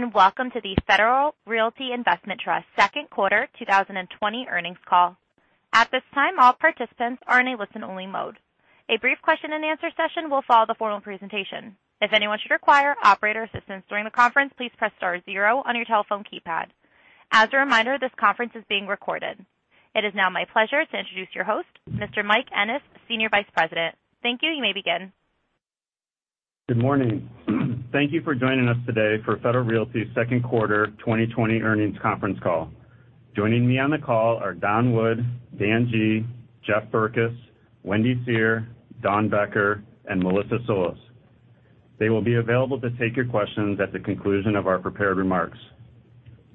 Greetings, and welcome to the Federal Realty Investment Trust second quarter 2020 earnings call. At this time, all participants are in a listen-only mode. A brief question and answer session will follow the formal presentation. If anyone should require operator assistance during the conference, please press star zero on your telephone keypad. As a reminder, this conference is being recorded. It is now my pleasure to introduce your host, Mr. Mike Ennes, Senior Vice President. Thank you. You may begin. Good morning. Thank you for joining us today for Federal Realty's second quarter 2020 earnings conference call. Joining me on the call are Don Wood, Dan G, Jeff Berkes, Wendy Seher, Dawn Becker, and Melissa Solis. They will be available to take your questions at the conclusion of our prepared remarks.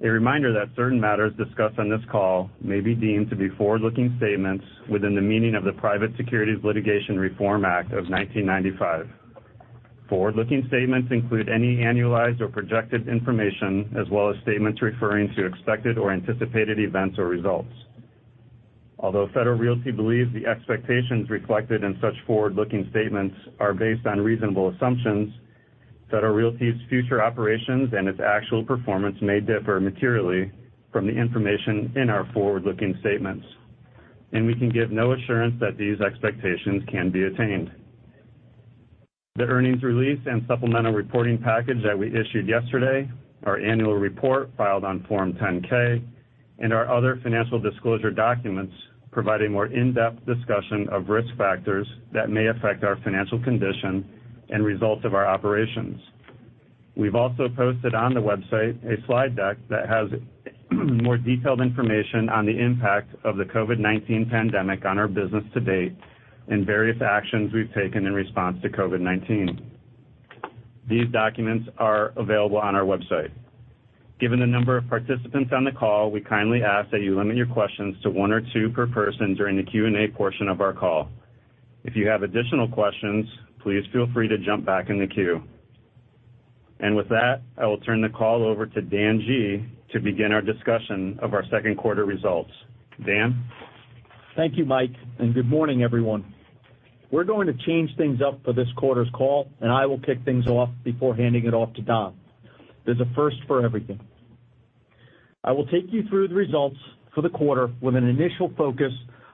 A reminder that certain matters discussed on this call may be deemed to be forward-looking statements within the meaning of the Private Securities Litigation Reform Act of 1995. Forward-looking statements include any annualized or projected information, as well as statements referring to expected or anticipated events or results. Although Federal Realty believes the expectations reflected in such forward-looking statements are based on reasonable assumptions, Federal Realty's future operations and its actual performance may differ materially from the information in our forward-looking statements, and we can give no assurance that these expectations can be attained. The earnings release and supplemental reporting package that we issued yesterday, our annual report filed on Form 10-K, and our other financial disclosure documents provide a more in-depth discussion of risk factors that may affect our financial condition and results of our operations. We've also posted on the website a slide deck that has more detailed information on the impact of the COVID-19 pandemic on our business to date and various actions we've taken in response to COVID-19. These documents are available on our website. Given the number of participants on the call, we kindly ask that you limit your questions to one or two per person during the Q&A portion of our call. If you have additional questions, please feel free to jump back in the queue. With that, I will turn the call over to Dan G to begin our discussion of our second quarter results. Dan? Thank you, Mike. Good morning, everyone. We're going to change things up for this quarter's call, and I will kick things off before handing it off to Don. There's a first for everything. I will take you through the results for the quarter with an initial focus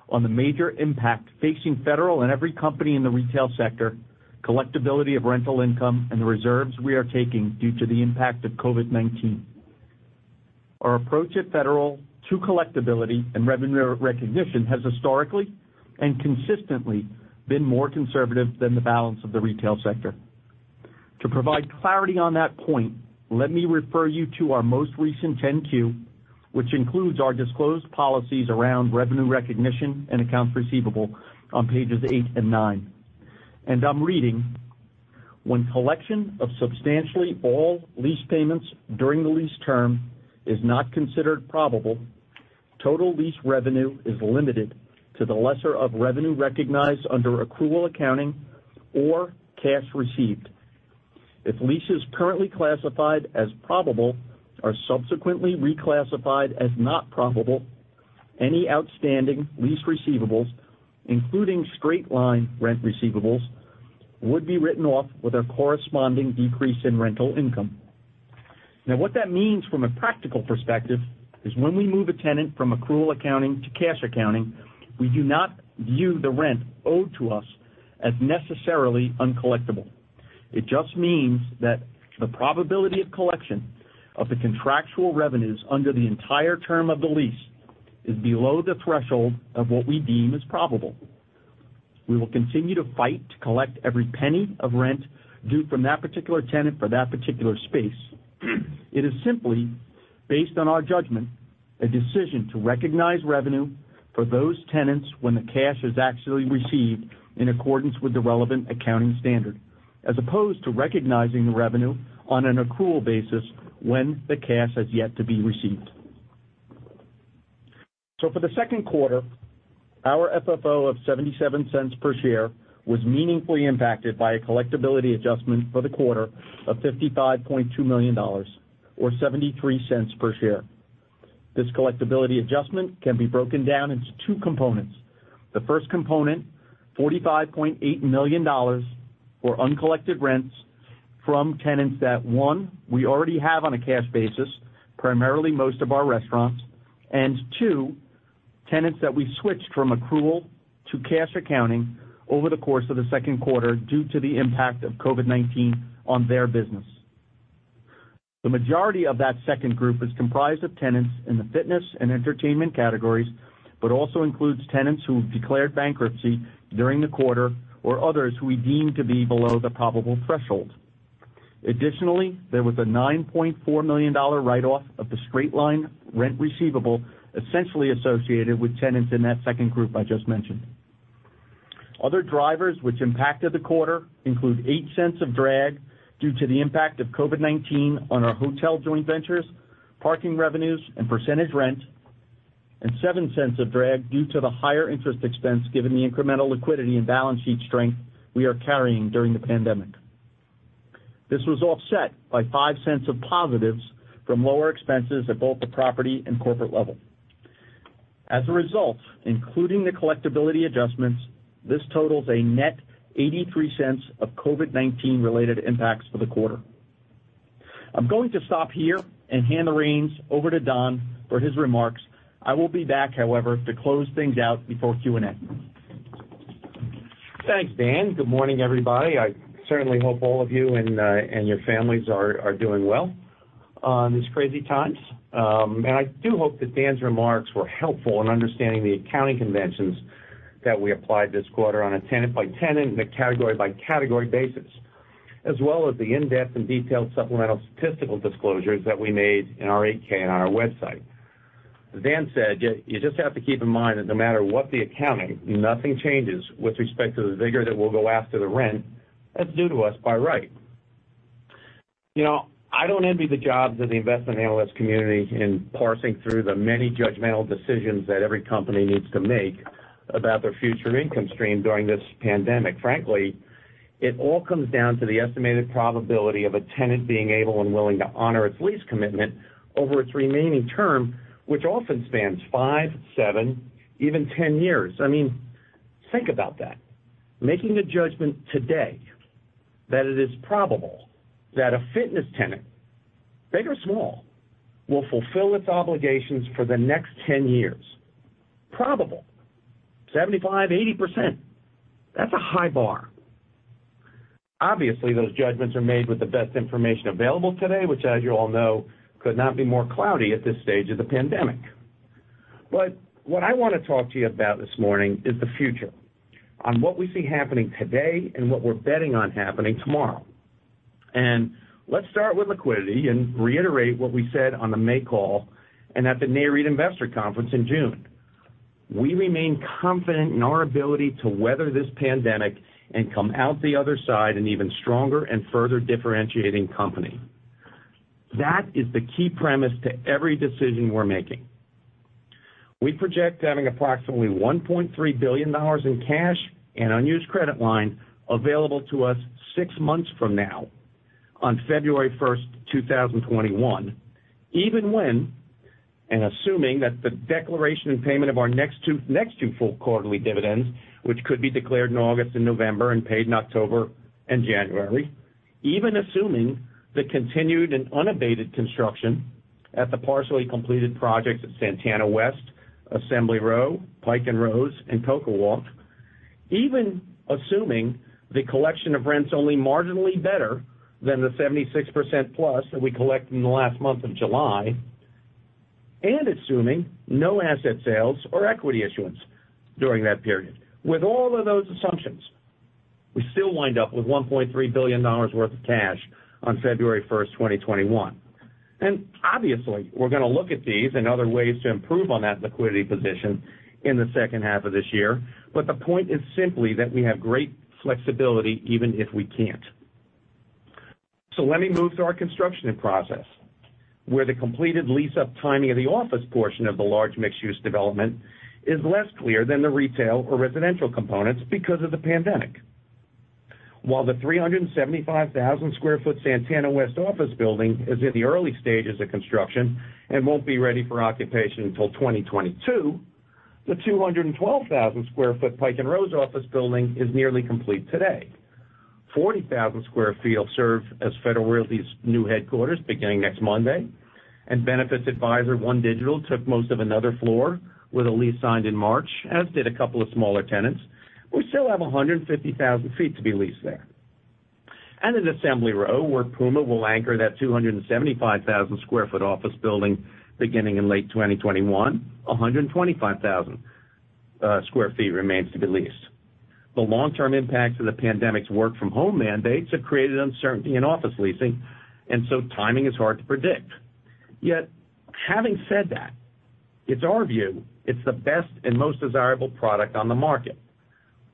on the major impact facing Federal and every company in the retail sector, collectibility of rental income, and the reserves we are taking due to the impact of COVID-19. Our approach at Federal to collectibility and revenue recognition has historically and consistently been more conservative than the balance of the retail sector. To provide clarity on that point, let me refer you to our most recent 10-Q, which includes our disclosed policies around revenue recognition and accounts receivable on pages eight and nine. I'm reading, "When collection of substantially all lease payments during the lease term is not considered probable, total lease revenue is limited to the lesser of revenue recognized under accrual accounting or cash received. If leases currently classified as probable are subsequently reclassified as not probable, any outstanding lease receivables, including straight-line rent receivables, would be written off with a corresponding decrease in rental income." What that means from a practical perspective is when we move a tenant from accrual accounting to cash accounting, we do not view the rent owed to us as necessarily uncollectible. It just means that the probability of collection of the contractual revenues under the entire term of the lease is below the threshold of what we deem as probable. We will continue to fight to collect every penny of rent due from that particular tenant for that particular space. It is simply based on our judgment, a decision to recognize revenue for those tenants when the cash is actually received in accordance with the relevant accounting standard, as opposed to recognizing the revenue on an accrual basis when the cash has yet to be received. For the second quarter, our FFO of $0.77 per share was meaningfully impacted by a collectibility adjustment for the quarter of $55.2 million, or $0.73 per share. This collectibility adjustment can be broken down into two components. The first component, $45.8 million for uncollected rents from tenants that, one, we already have on a cash basis, primarily most of our restaurants, and two, tenants that we switched from accrual to cash accounting over the course of the second quarter due to the impact of COVID-19 on their business. The majority of that second group is comprised of tenants in the fitness and entertainment categories, but also includes tenants who have declared bankruptcy during the quarter, or others who we deem to be below the probable threshold. Additionally, there was a $9.4 million write-off of the straight-line rent receivable essentially associated with tenants in that second group I just mentioned. Other drivers which impacted the quarter include $0.08 of drag due to the impact of COVID-19 on our hotel joint ventures, parking revenues, and percentage rent, and $0.07 of drag due to the higher interest expense given the incremental liquidity and balance sheet strength we are carrying during the pandemic. This was offset by $0.05 of positives from lower expenses at both the property and corporate level. As a result, including the collectibility adjustments, this totals a net $0.83 of COVID-19 related impacts for the quarter. I'm going to stop here and hand the reins over to Don for his remarks. I will be back, however, to close things out before Q&A. Thanks, Dan. Good morning, everybody. I certainly hope all of you and your families are doing well in these crazy times. I do hope that Dan's remarks were helpful in understanding the accounting conventions that we applied this quarter on a tenant-by-tenant and a category-by-category basis, as well as the in-depth and detailed supplemental statistical disclosures that we made in our 8-K and on our website. As Dan said, you just have to keep in mind that no matter what the accounting, nothing changes with respect to the vigor that we'll go after the rent that's due to us by right. I don't envy the jobs of the investment analyst community in parsing through the many judgmental decisions that every company needs to make about their future income stream during this pandemic. Frankly, it all comes down to the estimated probability of a tenant being able and willing to honor its lease commitment over its remaining term, which often spans five, seven, even 10 years. Think about that. Making a judgment today that it is probable that a fitness tenant, big or small, will fulfill its obligations for the next 10 years. Probable. 75%, 80%. That's a high bar. Obviously, those judgments are made with the best information available today, which as you all know, could not be more cloudy at this stage of the pandemic. What I want to talk to you about this morning is the future. On what we see happening today and what we're betting on happening tomorrow. Let's start with liquidity and reiterate what we said on the May call and at the Nareit Investor Conference in June. We remain confident in our ability to weather this pandemic and come out the other side an even stronger and further differentiating company. That is the key premise to every decision we're making. We project having approximately $1.3 billion in cash and unused credit line available to us six months from now on February 1st, 2021, even when and assuming that the declaration and payment of our next two full quarterly dividends, which could be declared in August and November and paid in October and January. Even assuming the continued and unabated construction at the partially completed projects at Santana West, Assembly Row, Pike & Rose, and CocoWalk. Even assuming the collection of rents only marginally better than the 76%+ that we collected in the last month of July, and assuming no asset sales or equity issuance during that period. With all of those assumptions, we still wind up with $1.3 billion worth of cash on February 1st, 2021. Obviously, we're going to look at these and other ways to improve on that liquidity position in the second half of this year. The point is simply that we have great flexibility even if we can't. Let me move to our construction in process, where the completed lease-up timing of the office portion of the large mixed-use development is less clear than the retail or residential components because of the pandemic. While the 375,000 sq ft Santana West office building is in the early stages of construction and won't be ready for occupation until 2022, the 212,000 sq ft Pike & Rose office building is nearly complete today. 40,000 sq ft will serve as Federal Realty's new headquarters beginning next Monday, benefits advisor OneDigital took most of another floor with a lease signed in March, as did a couple of smaller tenants. We still have 150,000 ft to be leased there. At Assembly Row, where Puma will anchor that 275,000 sq ft office building beginning in late 2021, 125,000 sq ft remains to be leased. The long-term impacts of the pandemic's work from home mandates have created uncertainty in office leasing, and so timing is hard to predict. Yet, having said that, it's our view it's the best and most desirable product on the market.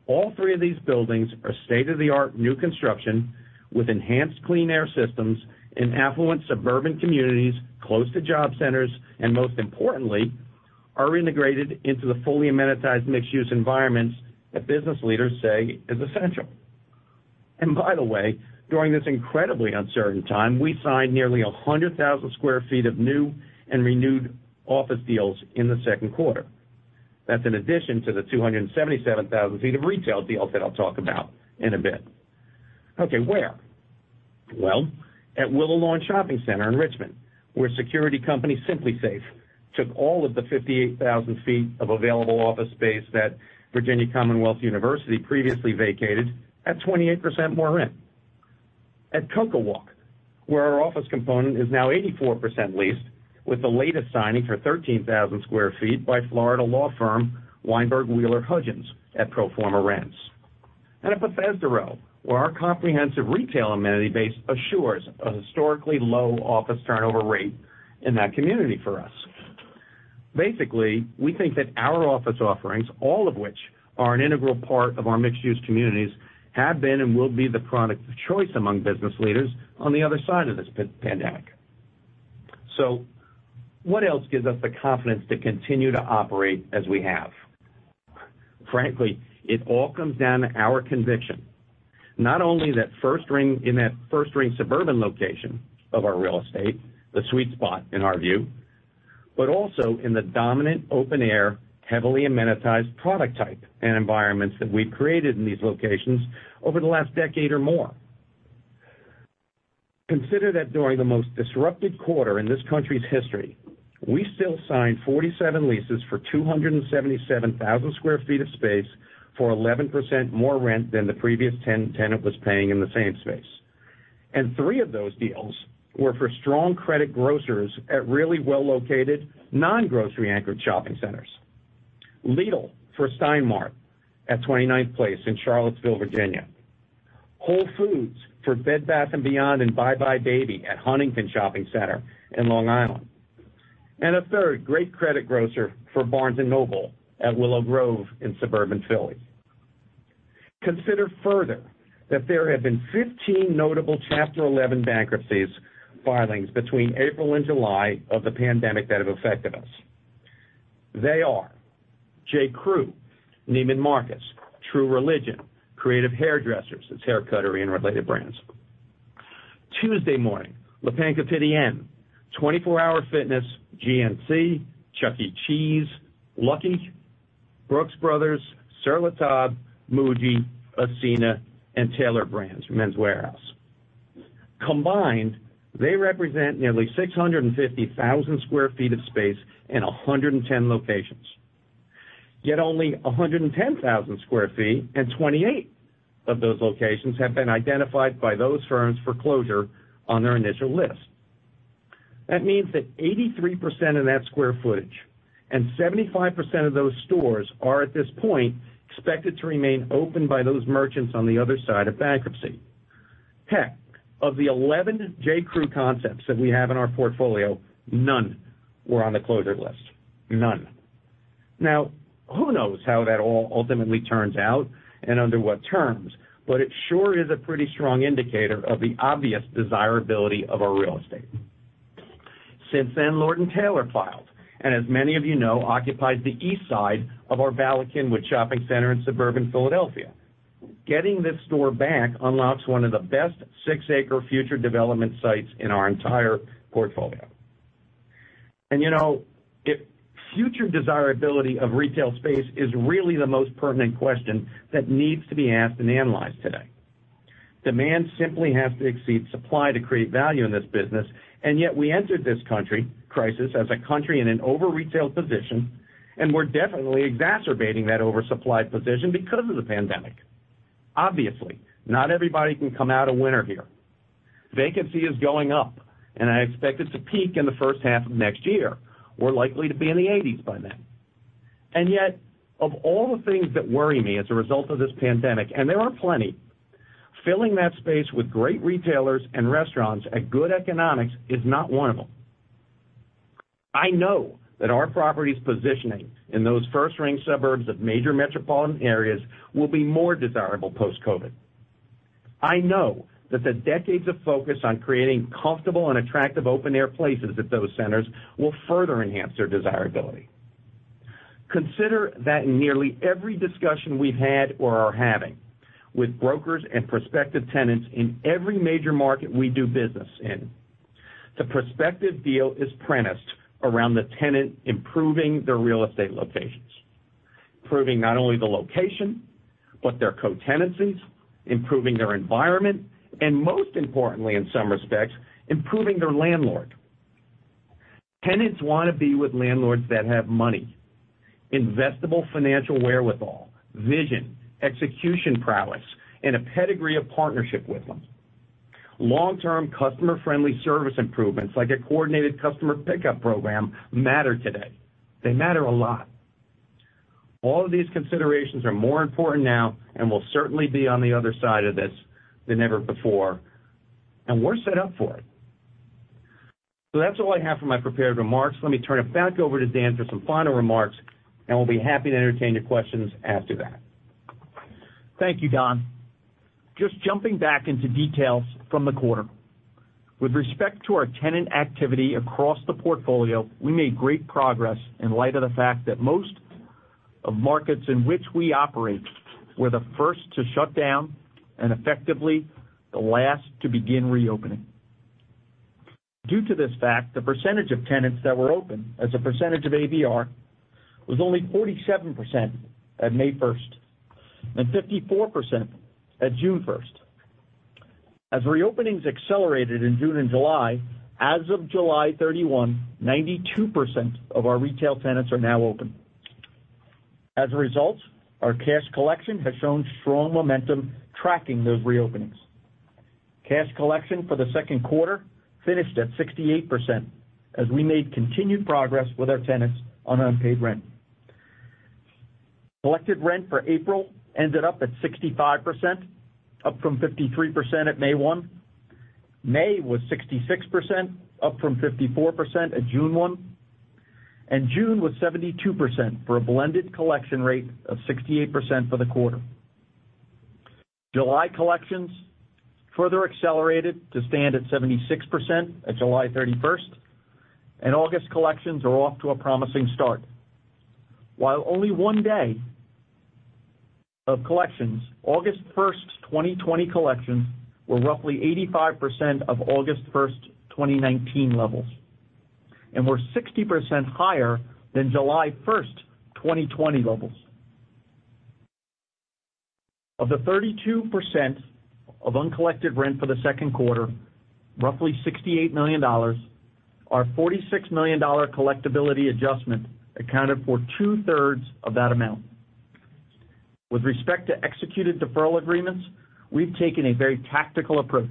All three of these buildings are state-of-the-art new construction with enhanced clean air systems in affluent suburban communities close to job centers, and most importantly, are integrated into the fully amenitized mixed-use environments that business leaders say is essential. By the way, during this incredibly uncertain time, we signed nearly 100,000 sq ft of new and renewed office deals in the second quarter. That's in addition to the 277,000 ft of retail deals that I'll talk about in a bit. Where? At Willow Lawn Shopping Center in Richmond, where security company SimpliSafe took all of the 58,000 ft of available office space that Virginia Commonwealth University previously vacated at 28% more rent. At CocoWalk, where our office component is now 84% leased with the latest signing for 13,000 sq ft by Florida law firm Weinberg Wheeler Hudgins at pro forma rents. At Bethesda Row, where our comprehensive retail amenity base assures a historically low office turnover rate in that community for us. We think that our office offerings, all of which are an integral part of our mixed-use communities, have been and will be the product of choice among business leaders on the other side of this pandemic. What else gives us the confidence to continue to operate as we have? Frankly, it all comes down to our conviction. Not only in that first-ring suburban location of our real estate, the sweet spot in our view, but also in the dominant open-air, heavily amenitized product type and environments that we've created in these locations over the last decade or more. Consider that during the most disrupted quarter in this country's history, we still signed 47 leases for 277,000 sq ft of space for 11% more rent than the previous tenant was paying in the same space. Three of those deals were for strong credit grocers at really well-located non-grocery anchored shopping centers. Lidl for Stein Mart at 29th Place in Charlottesville, Virginia. Whole Foods for Bed Bath & Beyond and buybuy BABY at Huntington Shopping Center in Long Island. A third great credit grocer for Barnes & Noble at Willow Grove in suburban Philly. Consider further that there have been 15 notable Chapter 11 bankruptcies filings between April and July of the pandemic that have affected us. They are J.Crew, Neiman Marcus, True Religion, Creative Hairdressers, its Hair Cuttery and related brands. Tuesday Morning, Le Pain Quotidien, 24 Hour Fitness, GNC, Chuck E. Cheese, Lucky, Brooks Brothers, Sur La Table, Muji, Ascena, and Tailored Brands, Men's Wearhouse. Combined, they represent nearly 650,000 sq ft of space in 110 locations. Yet only 110,000 sq t and 28 of those locations have been identified by those firms for closure on their initial list. That means that 83% of that square footage and 75% of those stores are at this point expected to remain open by those merchants on the other side of bankruptcy. Heck, of the 11 J.Crew concepts that we have in our portfolio, none were on the closure list. None. Who knows how that all ultimately turns out and under what terms, it sure is a pretty strong indicator of the obvious desirability of our real estate. Since then, Lord & Taylor filed, as many of you know, occupies the east side of our Bala Cynwyd Shopping Center in suburban Philadelphia. Getting this store back unlocks one of the best six-acre future development sites in our entire portfolio. If future desirability of retail space is really the most pertinent question that needs to be asked and analyzed today. Demand simply has to exceed supply to create value in this business, and yet we entered this crisis as a country in an over-retailed position, and we're definitely exacerbating that oversupply position because of the pandemic. Obviously, not everybody can come out a winner here. Vacancy is going up, and I expect it to peak in the first half of next year. We're likely to be in the 80s by then. Yet, of all the things that worry me as a result of this pandemic, and there are plenty, filling that space with great retailers and restaurants at good economics is not one of them. I know that our property's positioning in those first-ring suburbs of major metropolitan areas will be more desirable post-COVID. I know that the decades of focus on creating comfortable and attractive open-air places at those centers will further enhance their desirability. Consider that in nearly every discussion we've had or are having with brokers and prospective tenants in every major market we do business in, the prospective deal is premised around the tenant improving their real estate locations. Improving not only the location, but their co-tenancies, improving their environment, and most importantly, in some respects, improving their landlord. Tenants want to be with landlords that have money, investable financial wherewithal, vision, execution prowess, and a pedigree of partnership with them. Long-term customer-friendly service improvements like a coordinated customer pickup program matter today. They matter a lot. All of these considerations are more important now and will certainly be on the other side of this than ever before, and we're set up for it. That's all I have for my prepared remarks. Let me turn it back over to Dan for some final remarks, and we'll be happy to entertain your questions after that. Thank you, Don. Just jumping back into details from the quarter. With respect to our tenant activity across the portfolio, we made great progress in light of the fact that most of markets in which we operate were the first to shut down and effectively the last to begin reopening. Due to this fact, the percentage of tenants that were open as a percentage of ABR was only 47% at May 1st and 54% at June 1st. As reopenings accelerated in June and July, as of July 31, 92% of our retail tenants are now open. As a result, our cash collection has shown strong momentum tracking those reopenings. Cash collection for the second quarter finished at 68% as we made continued progress with our tenants on unpaid rent. Collected rent for April ended up at 65%, up from 53% at May 1. May was 66%, up from 54% at June 1. June was 72% for a blended collection rate of 68% for the quarter. July collections further accelerated to stand at 76% at July 31st. August collections are off to a promising start. While only one day of collections, August 1st, 2020, collections were roughly 85% of August 1st, 2019, levels, were 60% higher than July 1st, 2020, levels. Of the 32% of uncollected rent for the second quarter, roughly $68 million, our $46 million collectibility adjustment accounted for 2/3 of that amount. With respect to executed deferral agreements, we've taken a very tactical approach.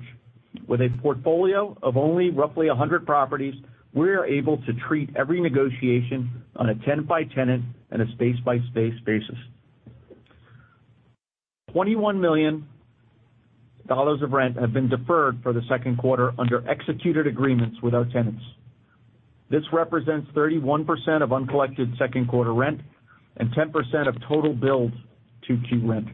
With a portfolio of only roughly 100 properties, we are able to treat every negotiation on a tenant-by-tenant and a space-by-space basis. $21 million of rent have been deferred for the second quarter under executed agreements with our tenants. This represents 31% of uncollected second quarter rent and 10% of total billed 2Q rent.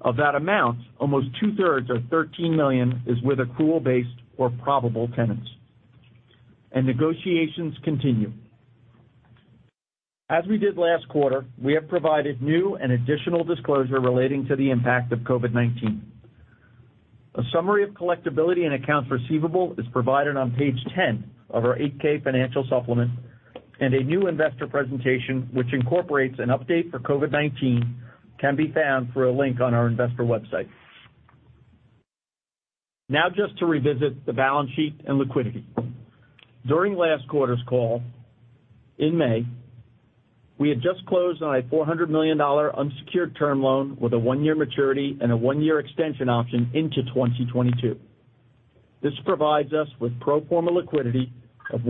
Of that amount, almost 2/3 of $13 million is with accrual-based or probable tenants, and negotiations continue. As we did last quarter, we have provided new and additional disclosure relating to the impact of COVID-19. A summary of collectibility and accounts receivable is provided on page 10 of our 8-K financial supplement, and a new investor presentation, which incorporates an update for COVID-19, can be found through a link on our investor website. Just to revisit the balance sheet and liquidity. During last quarter's call in May, we had just closed on a $400 million unsecured term loan with a one-year maturity and a one-year extension option into 2022. This provided us with pro forma liquidity of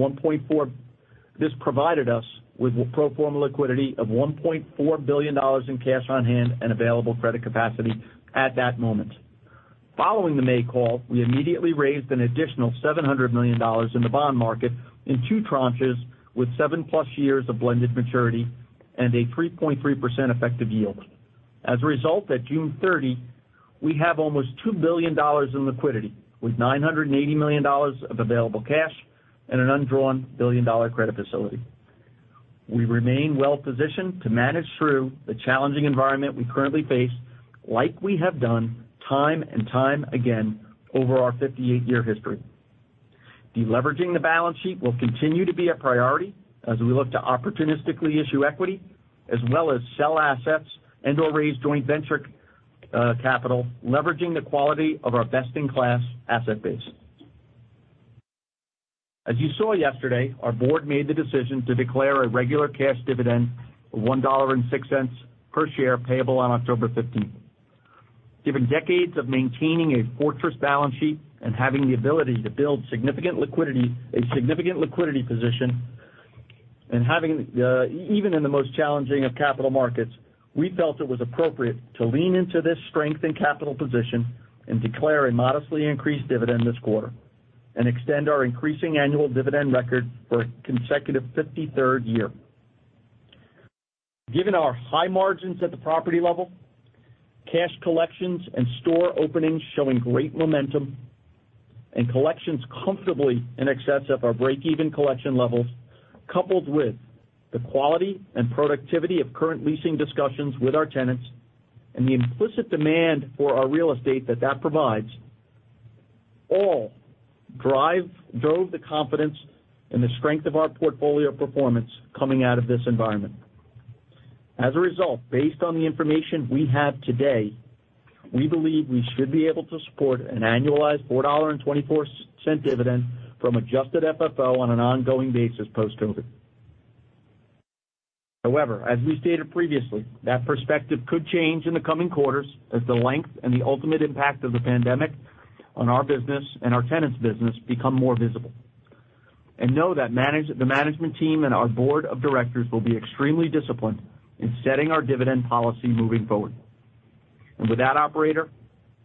$1.4 billion in cash on hand and available credit capacity at that moment. Following the May call, we immediately raised an additional $700 million in the bond market in two tranches with 7+ years of blended maturity and a 3.3% effective yield. As a result, at June 30, we have almost $2 billion in liquidity, with $980 million of available cash and an undrawn billion-dollar credit facility. We remain well-positioned to manage through the challenging environment we currently face, like we have done time and time again over our 58-year history. Deleveraging the balance sheet will continue to be a priority as we look to opportunistically issue equity, as well as sell assets and/or raise joint venture capital, leveraging the quality of our best-in-class asset base. As you saw yesterday, our board made the decision to declare a regular cash dividend of $1.06 per share payable on October 15th. Given decades of maintaining a fortress balance sheet and having the ability to build a significant liquidity position, even in the most challenging of capital markets, we felt it was appropriate to lean into this strength and capital position and declare a modestly increased dividend this quarter and extend our increasing annual dividend record for a consecutive 53rd year. Given our high margins at the property level, cash collections and store openings showing great momentum, and collections comfortably in excess of our break-even collection levels, coupled with the quality and productivity of current leasing discussions with our tenants and the implicit demand for our real estate that provides, all drove the confidence in the strength of our portfolio performance coming out of this environment. As a result, based on the information we have today, we believe we should be able to support an annualized $4.24 dividend from adjusted FFO on an ongoing basis post-COVID-19. However, as we stated previously, that perspective could change in the coming quarters as the length and the ultimate impact of the pandemic on our business and our tenants' business become more visible. Know that the management team and our board of directors will be extremely disciplined in setting our dividend policy moving forward. With that, operator,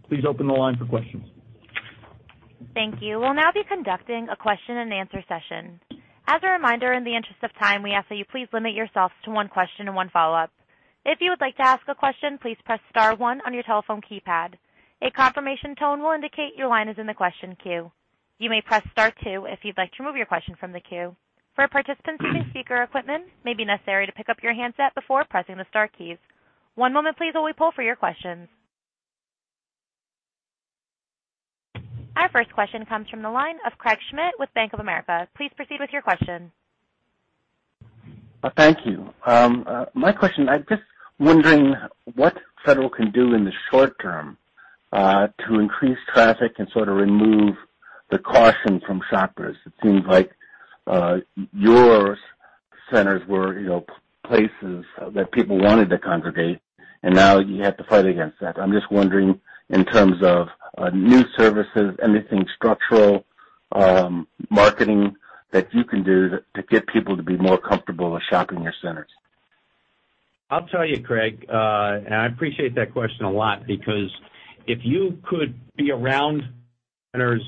please open the line for questions. Thank you. We'll now be conducting a question and answer session. As a reminder, in the interest of time, we ask that you please limit yourselves to one question and one follow-up. If you would like to ask a question, please press star one on your telephone keypad. A confirmation tone will indicate your line is in the question queue. You may press star two if you'd like to remove your question from the queue. For participants using speaker equipment, it may be necessary to pick up your handset before pressing the star keys. One moment please while we poll for your questions. Our first question comes from the line of Craig Schmidt with Bank of America. Please proceed with your question. Thank you. My question, I'm just wondering what Federal can do in the short term to increase traffic and sort of remove the caution from shoppers. It seems like your centers were places that people wanted to congregate, and now you have to fight against that. I'm just wondering in terms of new services, anything structural, marketing that you can do to get people to be more comfortable with shopping your centers. I'll tell you, Craig, I appreciate that question a lot because if you could be around. Centers,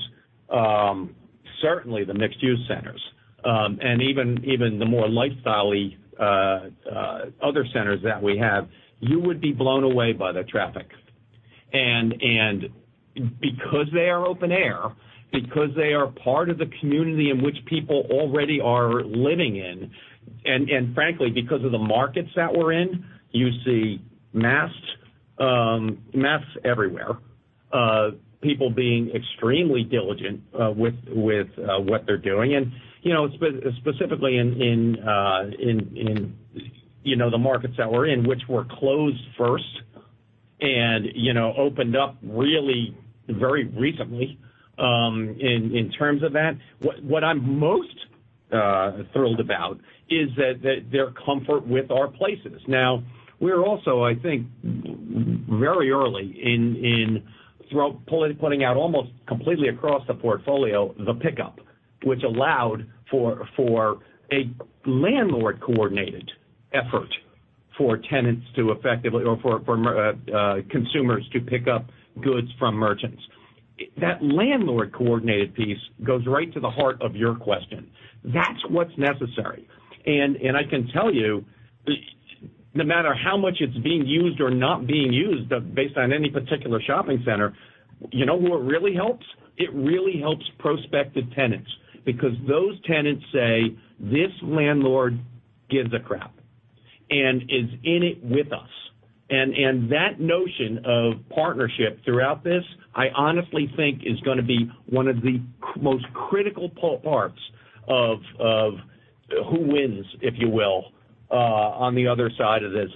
certainly the mixed-use centers, and even the more lifestyle-y other centers that we have, you would be blown away by the traffic. Because they are open air, because they are part of the community in which people already are living in, and frankly, because of the markets that we're in, you see masks everywhere. People being extremely diligent with what they're doing. Specifically in the markets that we're in, which were closed first and opened up really very recently in terms of that, what I'm most thrilled about is their comfort with our places. Now, we're also, I think, very early in putting out almost completely across the portfolio the pickup, which allowed for a landlord-coordinated effort for consumers to pick up goods from merchants. That landlord-coordinated piece goes right to the heart of your question. That's what's necessary. I can tell you, no matter how much it's being used or not being used based on any particular shopping center, you know who it really helps? It really helps prospective tenants because those tenants say, "This landlord gives a crap and is in it with us." That notion of partnership throughout this, I honestly think is going to be one of the most critical parts of who wins, if you will, on the other side of this.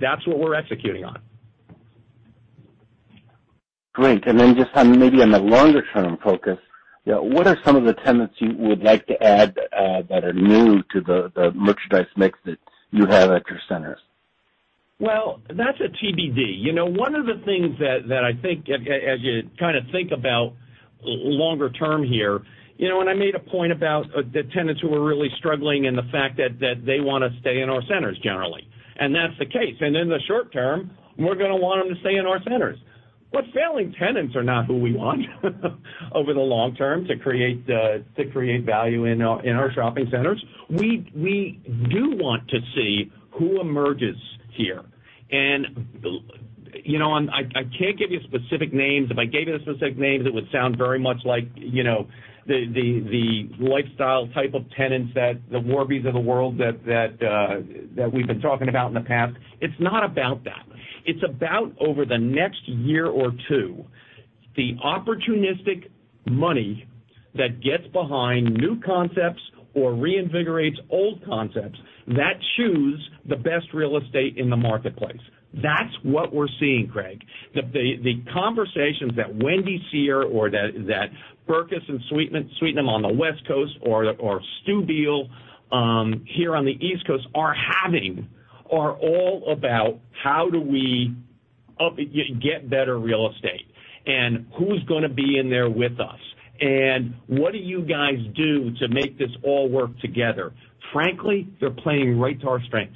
That's what we're executing on. Great. Just maybe on the longer-term focus, what are some of the tenants you would like to add that are new to the merchandise mix that you have at your centers? That's a TBD. One of the things that I think as you kind of think about longer term here, and I made a point about the tenants who are really struggling and the fact that they want to stay in our centers generally, and that's the case. In the short term, we're going to want them to stay in our centers. Failing tenants are not who we want over the long term to create value in our shopping centers. We do want to see who emerges here. I can't give you specific names. If I gave you the specific names, it would sound very much like the lifestyle type of tenants, the Warbys of the world that we've been talking about in the past. It's not about that. It's about over the next year or two, the opportunistic money that gets behind new concepts or reinvigorates old concepts that choose the best real estate in the marketplace. That's what we're seeing, Craig. The conversations that Wendy Seher here or that Berkes and Sweetnam on the West Coast or Stew Biel here on the East Coast are having are all about how do we get better real estate and who's going to be in there with us, and what do you guys do to make this all work together? Frankly, they're playing right to our strengths.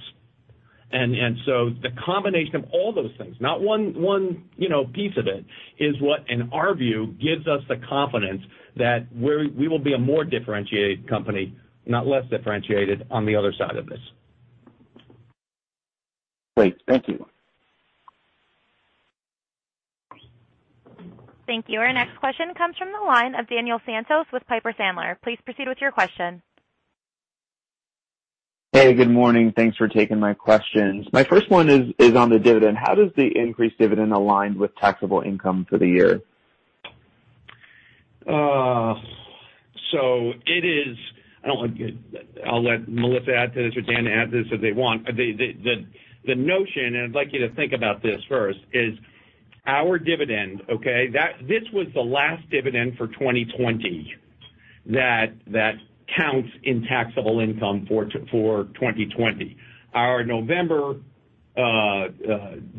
The combination of all those things, not one piece of it, is what, in our view, gives us the confidence that we will be a more differentiated company, not less differentiated on the other side of this. Great. Thank you. Thank you. Our next question comes from the line of Daniel Santos with Piper Sandler. Please proceed with your question. Hey, good morning. Thanks for taking my questions. My first one is on the dividend. How does the increased dividend align with taxable income for the year? I'll let Melissa add to this or Dan add to this if they want. The notion, and I'd like you to think about this first, is our dividend, okay, this was the last dividend for 2020 that counts in taxable income for 2020. Our November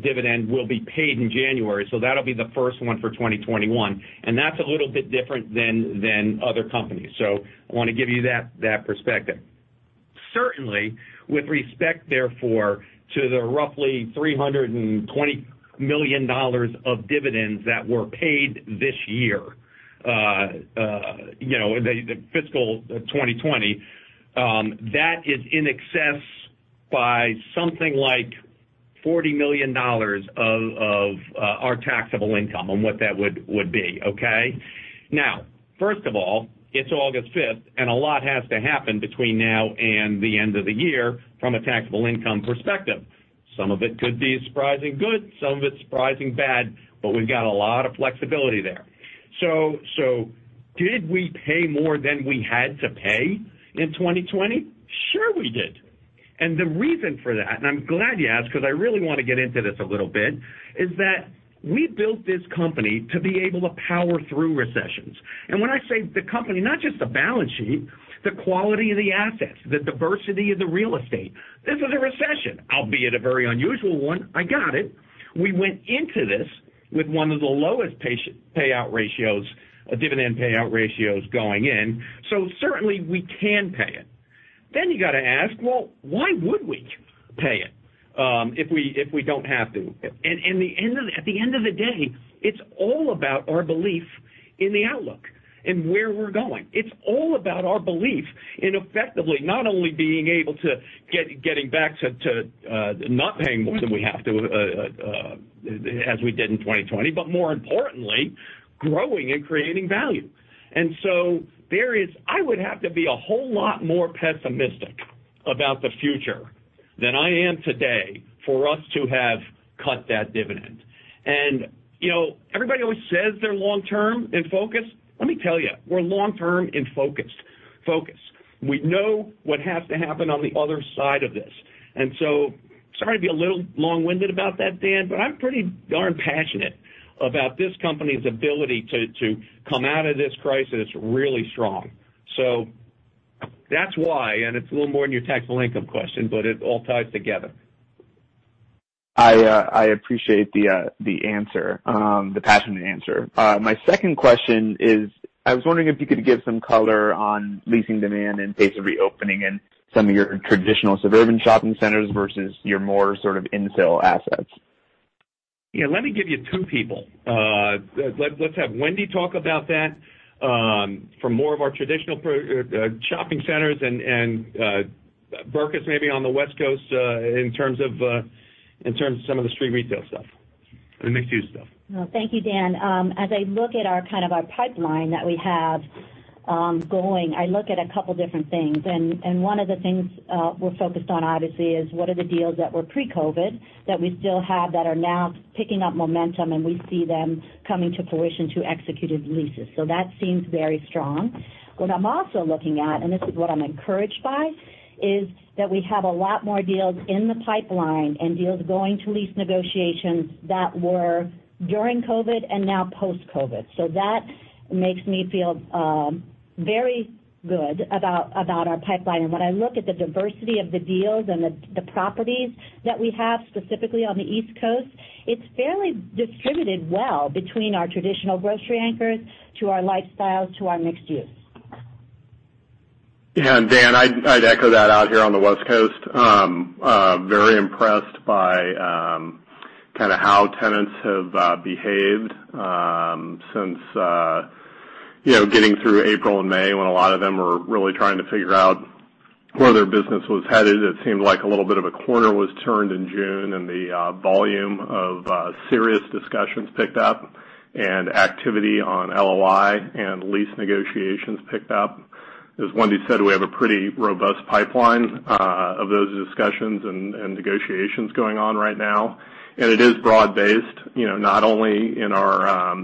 dividend will be paid in January, so that'll be the first one for 2021, and that's a little bit different than other companies. I want to give you that perspective. Certainly, with respect therefore to the roughly $320 million of dividends that were paid this year, the fiscal 2020, that is in excess by something like $40 million of our taxable income and what that would be, okay? First of all, it's August 5th, and a lot has to happen between now and the end of the year from a taxable income perspective. Some of it could be surprising good, some of it surprising bad, but we've got a lot of flexibility there. Did we pay more than we had to pay in 2020? The reason for that, and I'm glad you asked because I really want to get into this a little bit, is that we built this company to be able to power through recessions. When I say the company, not just the balance sheet, the quality of the assets, the diversity of the real estate. This is a recession, albeit a very unusual one. I got it. We went into this with one of the lowest dividend payout ratios going in, so certainly we can pay it. You got to ask, well, why would we pay it if we don't have to? At the end of the day, it's all about our belief in the outlook and where we're going. It's all about our belief in effectively not only being able to getting back to not paying more than we have to as we did in 2020, but more importantly, growing and creating value. I would have to be a whole lot more pessimistic about the future than I am today for us to have cut that dividend. Everybody always says they're long-term in focus. Let me tell you, we're long-term and focused. We know what has to happen on the other side of this. Sorry to be a little long-winded about that, Dan, but I'm pretty darn passionate about this company's ability to come out of this crisis really strong. That's why, and it's a little more than your taxable income question, but it all ties together. I appreciate the answer, the passionate answer. My second question is, I was wondering if you could give some color on leasing demand in pace of reopening in some of your traditional suburban shopping centers versus your more sort of infill assets. Yeah. Let me give you two people. Let's have Wendy talk about that from more of our traditional shopping centers and Berkes maybe on the West Coast in terms of some of the street retail stuff and mixed use stuff. Well, thank you, Dan. As I look at kind of our pipeline that we have going, I look at a couple different things, and one of the things we're focused on obviously is what are the deals that were pre-COVID that we still have that are now picking up momentum, and we see them coming to fruition to executed leases. That seems very strong. What I'm also looking at, and this is what I'm encouraged by, is that we have a lot more deals in the pipeline and deals going to lease negotiations that were during COVID and now post-COVID. That makes me feel very good about our pipeline. When I look at the diversity of the deals and the properties that we have specifically on the East Coast, it's fairly distributed well between our traditional grocery anchors to our lifestyles, to our mixed use. Yeah, Dan, I'd echo that out here on the West Coast. Very impressed by kind of how tenants have behaved since getting through April and May when a lot of them were really trying to figure out where their business was headed. It seemed like a little bit of a corner was turned in June and the volume of serious discussions picked up, and activity on LOI and lease negotiations picked up. As Wendy said, we have a pretty robust pipeline of those discussions and negotiations going on right now, and it is broad-based, not only in our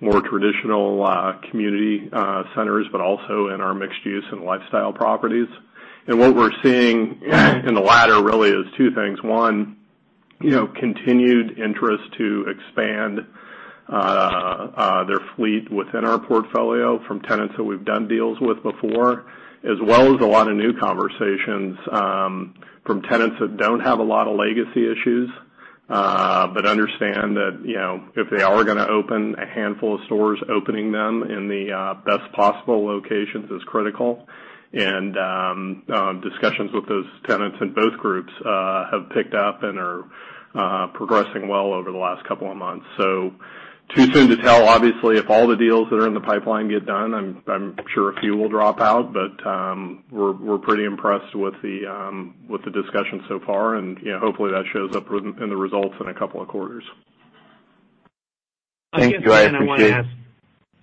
more traditional community centers, but also in our mixed use and lifestyle properties. What we're seeing in the latter really is two things. Continued interest to expand their fleet within our portfolio from tenants that we've done deals with before, as well as a lot of new conversations from tenants that don't have a lot of legacy issues, but understand that if they are going to open a handful of stores, opening them in the best possible locations is critical. Discussions with those tenants in both groups have picked up and are progressing well over the last couple of months. Too soon to tell, obviously, if all the deals that are in the pipeline get done. I'm sure a few will drop out. We're pretty impressed with the discussion so far. Hopefully that shows up in the results in a couple of quarters. Thank you. I guess, Dan, I want to ask.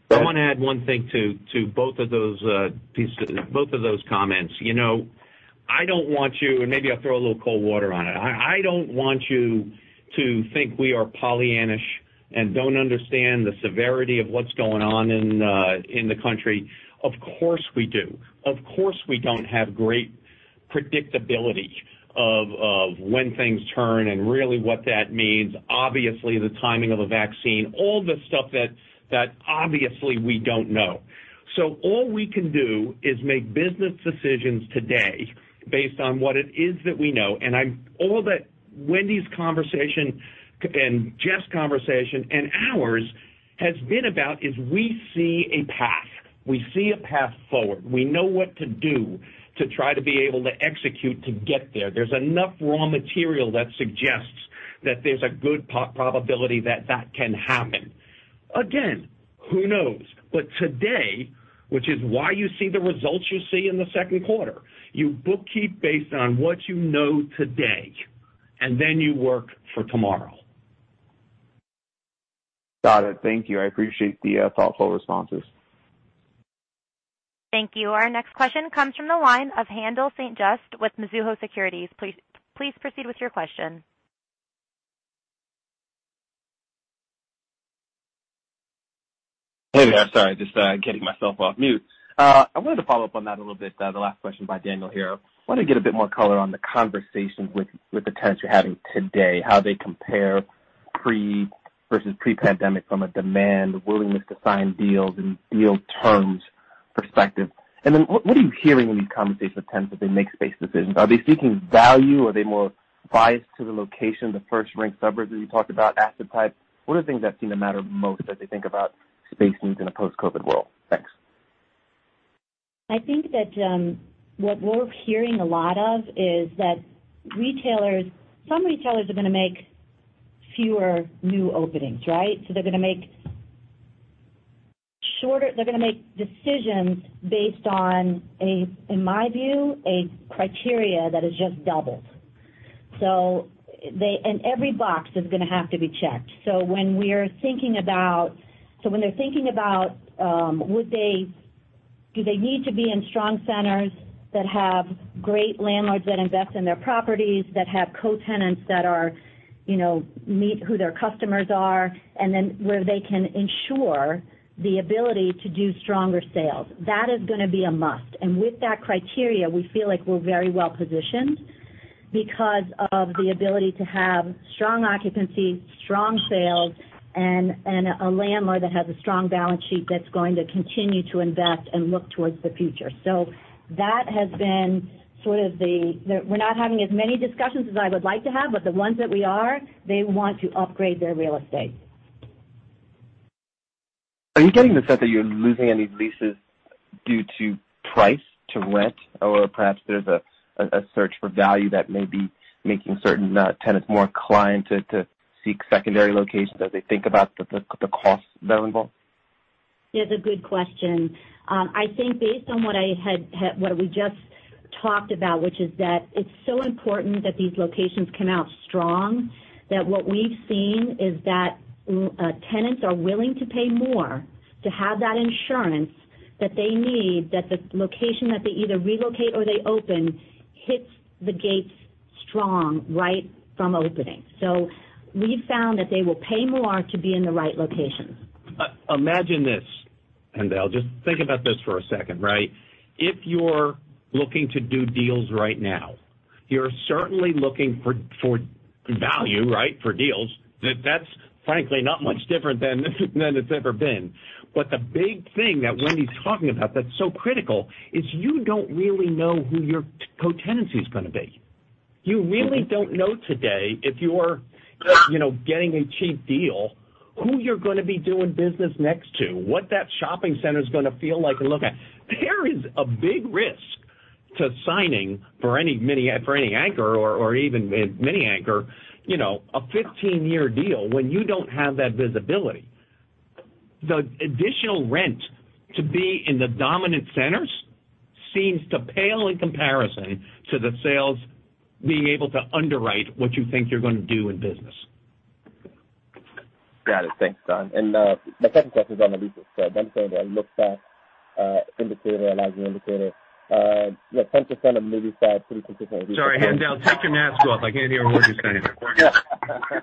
Go ahead. I want to add one thing to both of those comments. Maybe I'll throw a little cold water on it. I don't want you to think we are pollyannaish and don't understand the severity of what's going on in the country. Of course, we do. Of course, we don't have great predictability of when things turn and really what that means. Obviously, the timing of a vaccine, all the stuff that obviously we don't know. All we can do is make business decisions today based on what it is that we know. All that Wendy's conversation and Jeff's conversation and ours has been about is we see a path. We see a path forward. We know what to do to try to be able to execute to get there. There's enough raw material that suggests that there's a good probability that that can happen. Again, who knows? Today, which is why you see the results you see in the second quarter, you bookkeep based on what you know today, and then you work for tomorrow. Got it. Thank you. I appreciate the thoughtful responses. Thank you. Our next question comes from the line of Haendel St. Juste with Mizuho Securities. Please proceed with your question. Hey there. Sorry, just getting myself off mute. I wanted to follow up on that a little bit, the last question by Daniel here. Wanted to get a bit more color on the conversations with the tenants you're having today, how they compare versus pre-pandemic from a demand, willingness to sign deals, and deal terms perspective. What are you hearing in these conversations with tenants as they make space decisions? Are they seeking value? Are they more biased to the location of the first-ranked suburbs that you talked about, asset type? What are the things that seem to matter most as they think about space needs in a post-COVID world? Thanks. I think that what we're hearing a lot of is that some retailers are going to make fewer new openings, right? They're going to make decisions based on, in my view, a criteria that has just doubled. Every box is going to have to be checked. When they're thinking about do they need to be in strong centers that have great landlords that invest in their properties, that have co-tenants that meet who their customers are, where they can ensure the ability to do stronger sales. That is going to be a must. With that criteria, we feel like we're very well positioned because of the ability to have strong occupancy, strong sales, and a landlord that has a strong balance sheet that's going to continue to invest and look towards the future. We're not having as many discussions as I would like to have, but the ones that we are, they want to upgrade their real estate. Are you getting the sense that you're losing any leases due to price, to rent, or perhaps there's a search for value that may be making certain tenants more inclined to seek secondary locations as they think about the costs that are involved? It's a good question. I think based on what we just talked about, which is that it's so important that these locations come out strong, that what we've seen is that tenants are willing to pay more to have that insurance that they need, that the location that they either relocate or they open hits the gates strong right from opening. We've found that they will pay more to be in the right location. Imagine this. They'll just think about this for a second. If you're looking to do deals right now, you're certainly looking for value, for deals. That's frankly not much different than it's ever been. The big thing that Wendy's talking about that's so critical is you don't really know who your co-tenancy is going to be. You really don't know today if you're getting a cheap deal, who you're going to be doing business next to, what that shopping center is going to feel like and look at. There is a big risk to signing for any anchor or even mini anchor, a 15-year deal when you don't have that visibility. The additional rent to be in the dominant centers seems to pale in comparison to the sales being able to underwrite what you think you're going to do in business. Got it. Thanks, Don. My second question is on the leasing spread. Understanding that look-back indicator, a lagging indicator. Yeah, 10% on the new lease side, pretty consistent with- Sorry, Haendel, take your mask off. I can't hear a word you're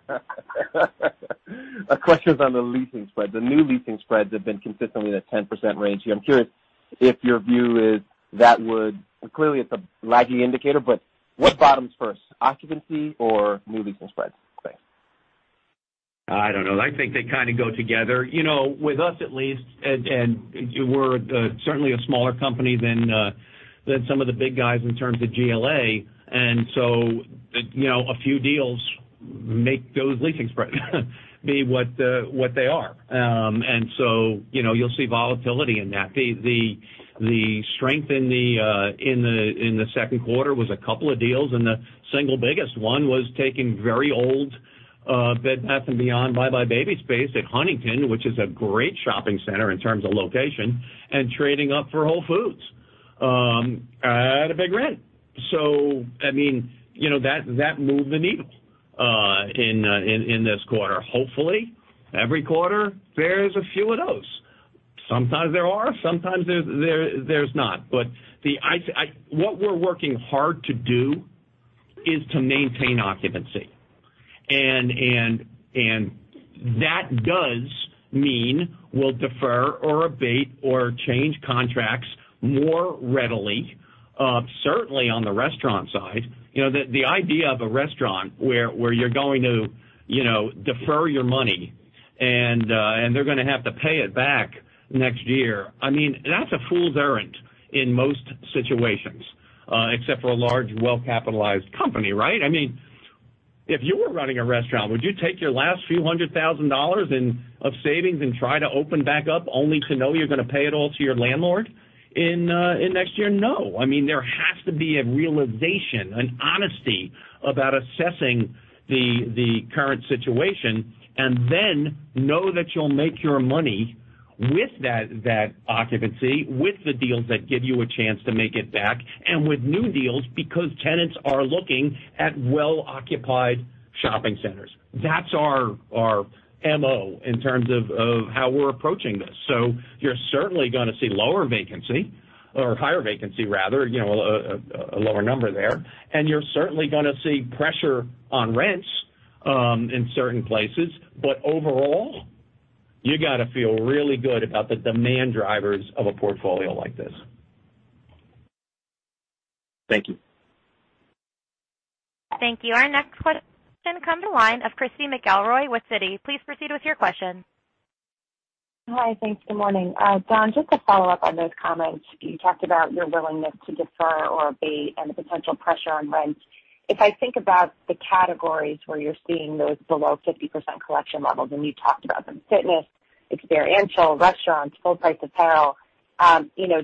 saying. A question is on the leasing spread. The new leasing spreads have been consistently in the 10% range. I'm curious if your view is that clearly, it's a lagging indicator, but what bottoms first, occupancy or new leasing spreads? Thanks. I don't know. I think they kind of go together. With us at least, we're certainly a smaller company than some of the big guys in terms of GLA, a few deals make those leasing spreads be what they are. You'll see volatility in that. The strength in the second quarter was a couple of deals, the single biggest one was taking very old Bed Bath & Beyond, buybuy BABY space at Huntington, which is a great shopping center in terms of location, trading up for Whole Foods at a big rent. That moved the needle in this quarter. Hopefully, every quarter, there's a few of those. Sometimes there are, sometimes there's not. What we're working hard to do is to maintain occupancy, that does mean we'll defer or abate or change contracts more readily. Certainly on the restaurant side. The idea of a restaurant where you're going to defer your money and they're going to have to pay it back next year, that's a fool's errand in most situations, except for a large, well-capitalized company. If you were running a restaurant, would you take your last few hundred thousand dollars of savings and try to open back up, only to know you're going to pay it all to your landlord in next year? No. There has to be a realization, an honesty about assessing the current situation. Then know that you'll make your money with that occupancy, with the deals that give you a chance to make it back, and with new deals because tenants are looking at well-occupied shopping centers. That's our MO in terms of how we're approaching this. You're certainly going to see higher vacancy, a lower number there. You're certainly going to see pressure on rents in certain places. Overall, you got to feel really good about the demand drivers of a portfolio like this. Thank you. Thank you. Our next question comes to line of Christy McElroy with Citi. Please proceed with your question. Hi. Thanks. Good morning. Don, just to follow up on those comments. You talked about your willingness to defer or abate and the potential pressure on rent. If I think about the categories where you're seeing those below 50% collection levels, and you talked about them, fitness, experiential, restaurants, full-price apparel.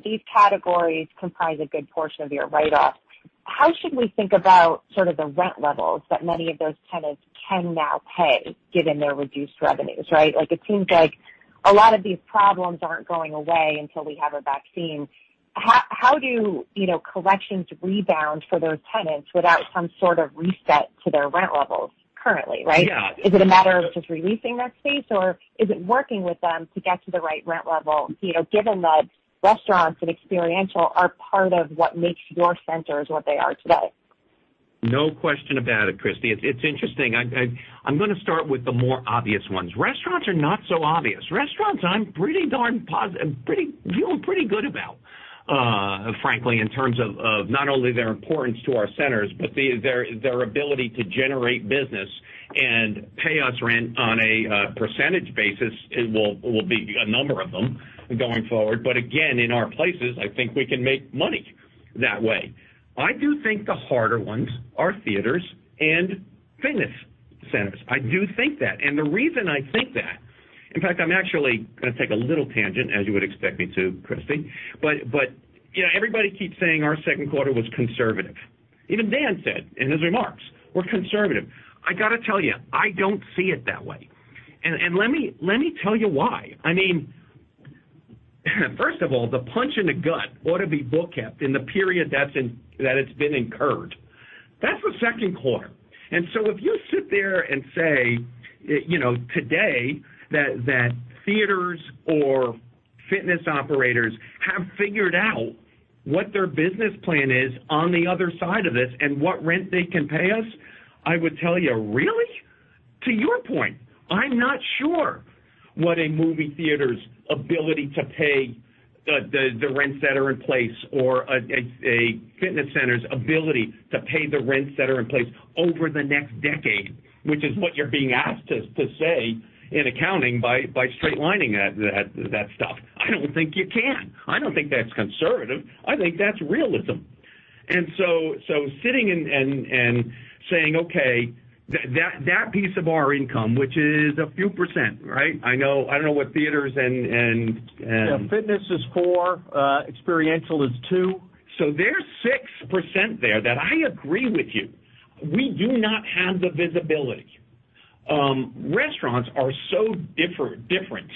These categories comprise a good portion of your write-offs. How should we think about sort of the rent levels that many of those tenants can now pay given their reduced revenues, right? It seems like a lot of these problems aren't going away until we have a vaccine. How do collections rebound for those tenants without some sort of reset to their rent levels currently, right? Yeah. Is it a matter of just re-leasing that space, or is it working with them to get to the right rent level, given that restaurants and experiential are part of what makes your centers what they are today? No question about it, Christy. It's interesting. I'm going to start with the more obvious ones. Restaurants are not so obvious. Restaurants, I'm feeling pretty good about, frankly, in terms of not only their importance to our centers, but their ability to generate business and pay us rent on a percentage basis. It will be a number of them going forward. Again, in our places, I think we can make money that way. I do think the harder ones are theaters and fitness centers. I do think that. The reason I think that, in fact, I'm actually going to take a little tangent as you would expect me to, Christy. Everybody keeps saying our second quarter was conservative. Even Dan said in his remarks, "We're conservative." I got to tell you, I don't see it that way. Let me tell you why. I mean, first of all, the punch in the gut ought to be bookkept in the period that it's been incurred. That's the second quarter. If you sit there and say today that theaters or fitness operators have figured out what their business plan is on the other side of this and what rent they can pay us, I would tell you, "Really?" To your point, I'm not sure what a movie theater's ability to pay the rents that are in place or a fitness center's ability to pay the rents that are in place over the next decade, which is what you're being asked to say in accounting by straight lining that stuff. I don't think you can. I don't think that's conservative. I think that's realism. Sitting and saying, okay, that piece of our income, which is a few percent, right? I don't know what theaters and. Yeah. Fitness is four, experiential is two. There's 6% there that I agree with you. We do not have the visibility. Restaurants are so different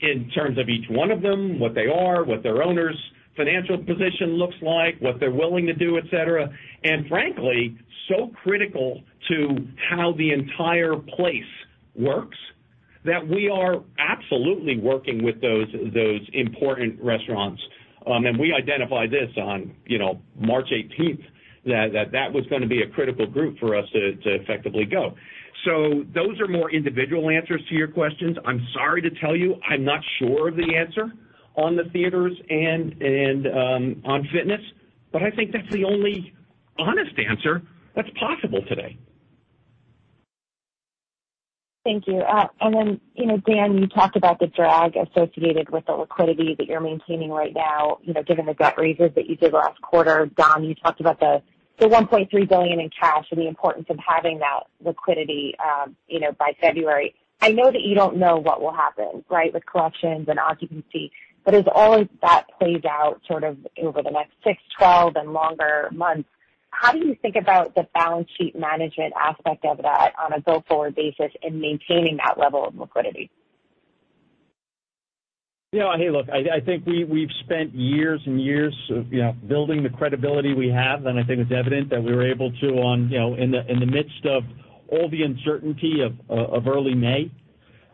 in terms of each one of them, what they are, what their owner's financial position looks like, what they're willing to do, et cetera, and frankly, so critical to how the entire place works, that we are absolutely working with those important restaurants. We identified this on March 18th, that that was going to be a critical group for us to effectively go. Those are more individual answers to your questions. I'm sorry to tell you, I'm not sure of the answer on the theaters and on fitness, but I think that's the only honest answer that's possible today. Thank you. Then Dan, you talked about the drag associated with the liquidity that you're maintaining right now, given the debt raises that you did last quarter. Don, you talked about the $1.3 billion in cash and the importance of having that liquidity by February. I know that you don't know what will happen, right, with collections and occupancy. As all of that plays out sort of over the next six, 12, and longer months, how do you think about the balance sheet management aspect of that on a go-forward basis in maintaining that level of liquidity? Hey, look, I think we've spent years and years building the credibility we have, and I think it's evident that we were able to in the midst of all the uncertainty of early May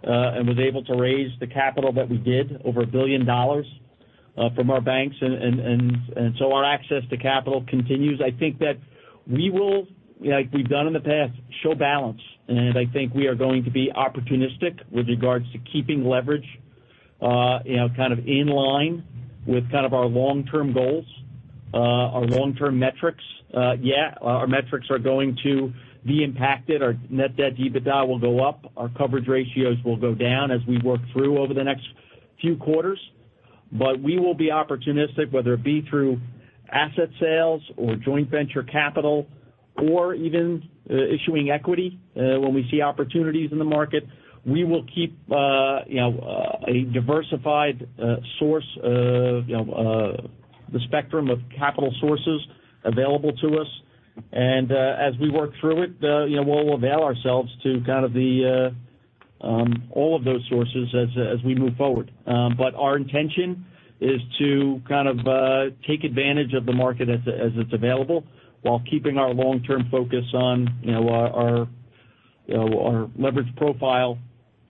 and was able to raise the capital that we did, over $1 billion from our banks. Our access to capital continues. I think that we will, like we've done in the past, show balance. I think we are going to be opportunistic with regards to keeping leverage kind of in line with kind of our long-term goals, our long-term metrics. Yeah, our metrics are going to be impacted. Our net debt to EBITDA will go up. Our coverage ratios will go down as we work through over the next few quarters. We will be opportunistic, whether it be through asset sales or joint venture capital or even issuing equity when we see opportunities in the market. We will keep a diversified source of the spectrum of capital sources available to us. As we work through it, we'll avail ourselves to kind of all of those sources as we move forward. Our intention is to kind of take advantage of the market as it's available while keeping our long-term focus on our leverage profile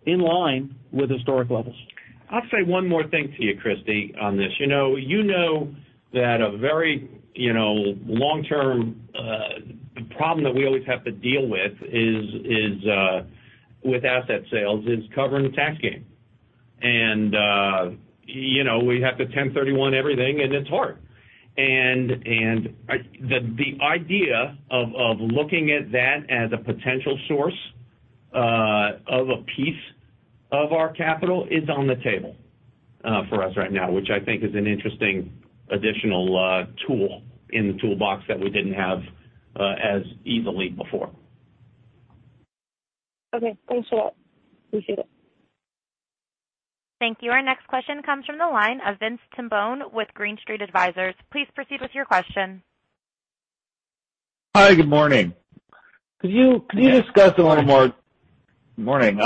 in line with historic levels. I'll say one more thing to you, Christy, on this. You know that a very long-term problem that we always have to deal with asset sales is covering the tax gain. We have to 1031 everything, and it's hard. The idea of looking at that as a potential source of a piece of our capital is on the table for us right now, which I think is an interesting additional tool in the toolbox that we didn't have as easily before. Okay. Thanks for that. Appreciate it. Thank you. Our next question comes from the line of Vince Tibone with Green Street Advisors. Please proceed with your question. Hi. Good morning. Yeah. Hi. Good morning,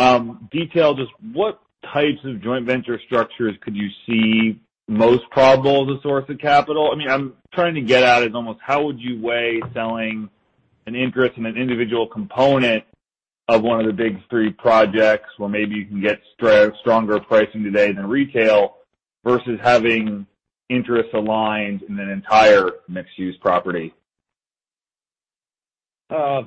detail just what types of joint venture structures could you see most probable as a source of capital? I'm trying to get at is almost how would you weigh selling an interest in an individual component of one of the big three projects where maybe you can get stronger pricing today than retail versus having interests aligned in an entire mixed-use property?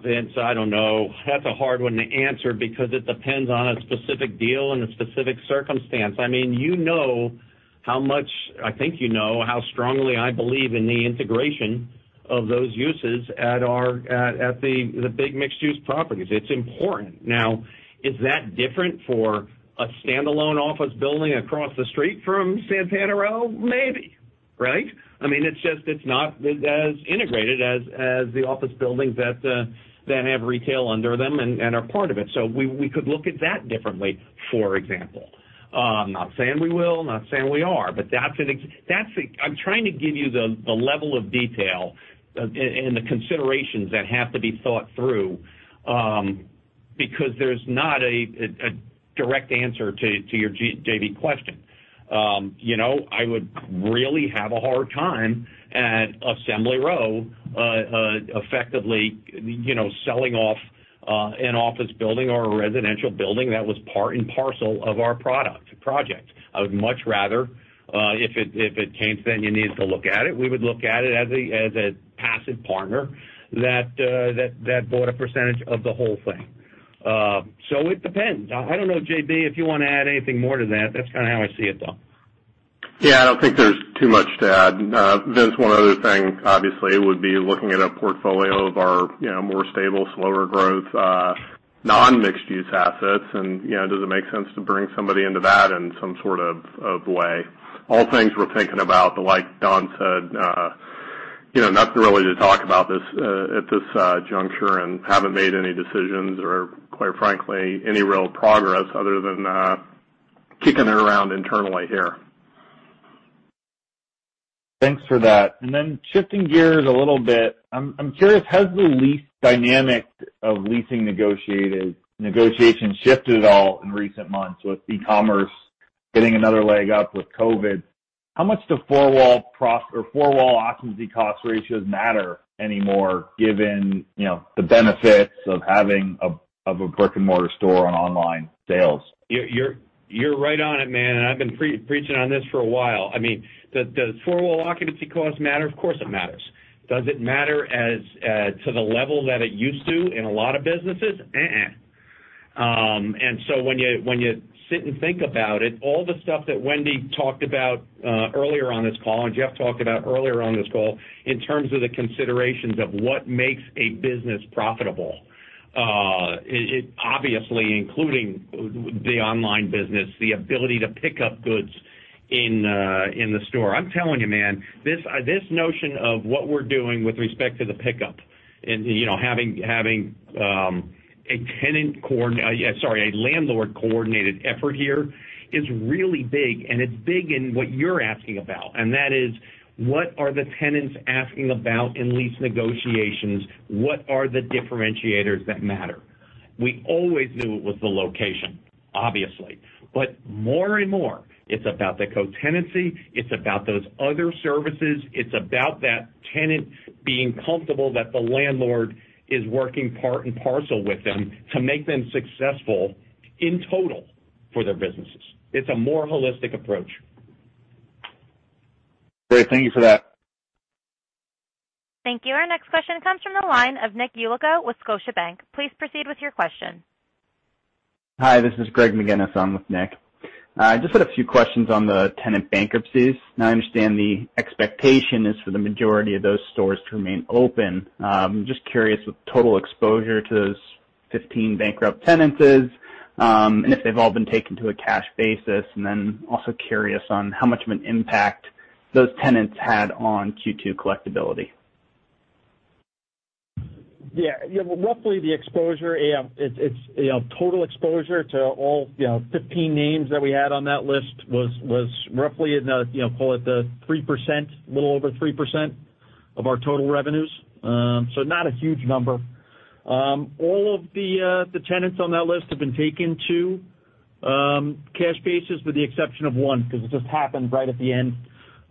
Vince, I don't know. That's a hard one to answer because it depends on a specific deal and a specific circumstance. You know I think you know how strongly I believe in the integration of those uses at the big mixed-use properties. It's important. Now, is that different for a standalone office building across the street from Santana Row? Maybe. Right. It's just it's not as integrated as the office buildings that have retail under them and are part of it. We could look at that differently, for example. I'm not saying we will, not saying we are, but I'm trying to give you the level of detail and the considerations that have to be thought through, because there's not a direct answer to your JV question. I would really have a hard time at Assembly Row effectively selling off an office building or a residential building that was part and parcel of our project. I would much rather, if it came to any need to look at it, we would look at it as a passive partner that bought a percentage of the whole thing. It depends. I don't know, JB, if you want to add anything more to that. That's kind of how I see it, though. Yeah, I don't think there's too much to add. Vince, one other thing, obviously, would be looking at a portfolio of our more stable, slower growth, non-mixed use assets and does it make sense to bring somebody into that in some sort of way. All things we're thinking about, but like Don said, nothing really to talk about at this juncture and haven't made any decisions or, quite frankly, any real progress other than kicking it around internally here. Thanks for that. Shifting gears a little bit. I'm curious, has the lease dynamic of leasing negotiation shifted at all in recent months with e-commerce getting another leg up with COVID? How much do four-wall occupancy cost ratios matter anymore given the benefits of having a brick and mortar store on online sales? You're right on it, man, and I've been preaching on this for a while. I mean, does four-wall occupancy cost matter? Of course, it matters. Does it matter as to the level that it used to in a lot of businesses? Uh-uh. When you sit and think about it, all the stuff that Wendy talked about earlier on this call and Jeff talked about earlier on this call in terms of the considerations of what makes a business profitable, obviously including the online business, the ability to pick up goods in the store. I'm telling you, man, this notion of what we're doing with respect to the pickup and having a landlord-coordinated effort here is really big, and it's big in what you're asking about, and that is, what are the tenants asking about in lease negotiations? What are the differentiators that matter? We always knew it was the location, obviously. But more and more, it's about the co-tenancy, it's about those other services, it's about that tenant being comfortable that the landlord is working part and parcel with them to make them successful in total for their businesses. It's a more holistic approach. Great. Thank you for that. Thank you. Our next question comes from the line of Nick Yulico with Scotiabank. Please proceed with your question. Hi, this is Greg McGinniss. I'm with Nick. I just had a few questions on the tenant bankruptcies. I understand the expectation is for the majority of those stores to remain open. I'm just curious with total exposure to those 15 bankrupt tenancies, and if they've all been taken to a cash basis, and then also curious on how much of an impact those tenants had on Q2 collectibility? Yeah. Roughly the exposure, total exposure to all 15 names that we had on that list was roughly call it a little over 3% of our total revenues. Not a huge number. All of the tenants on that list have been taken to cash basis with the exception of one, because it just happened right at the end.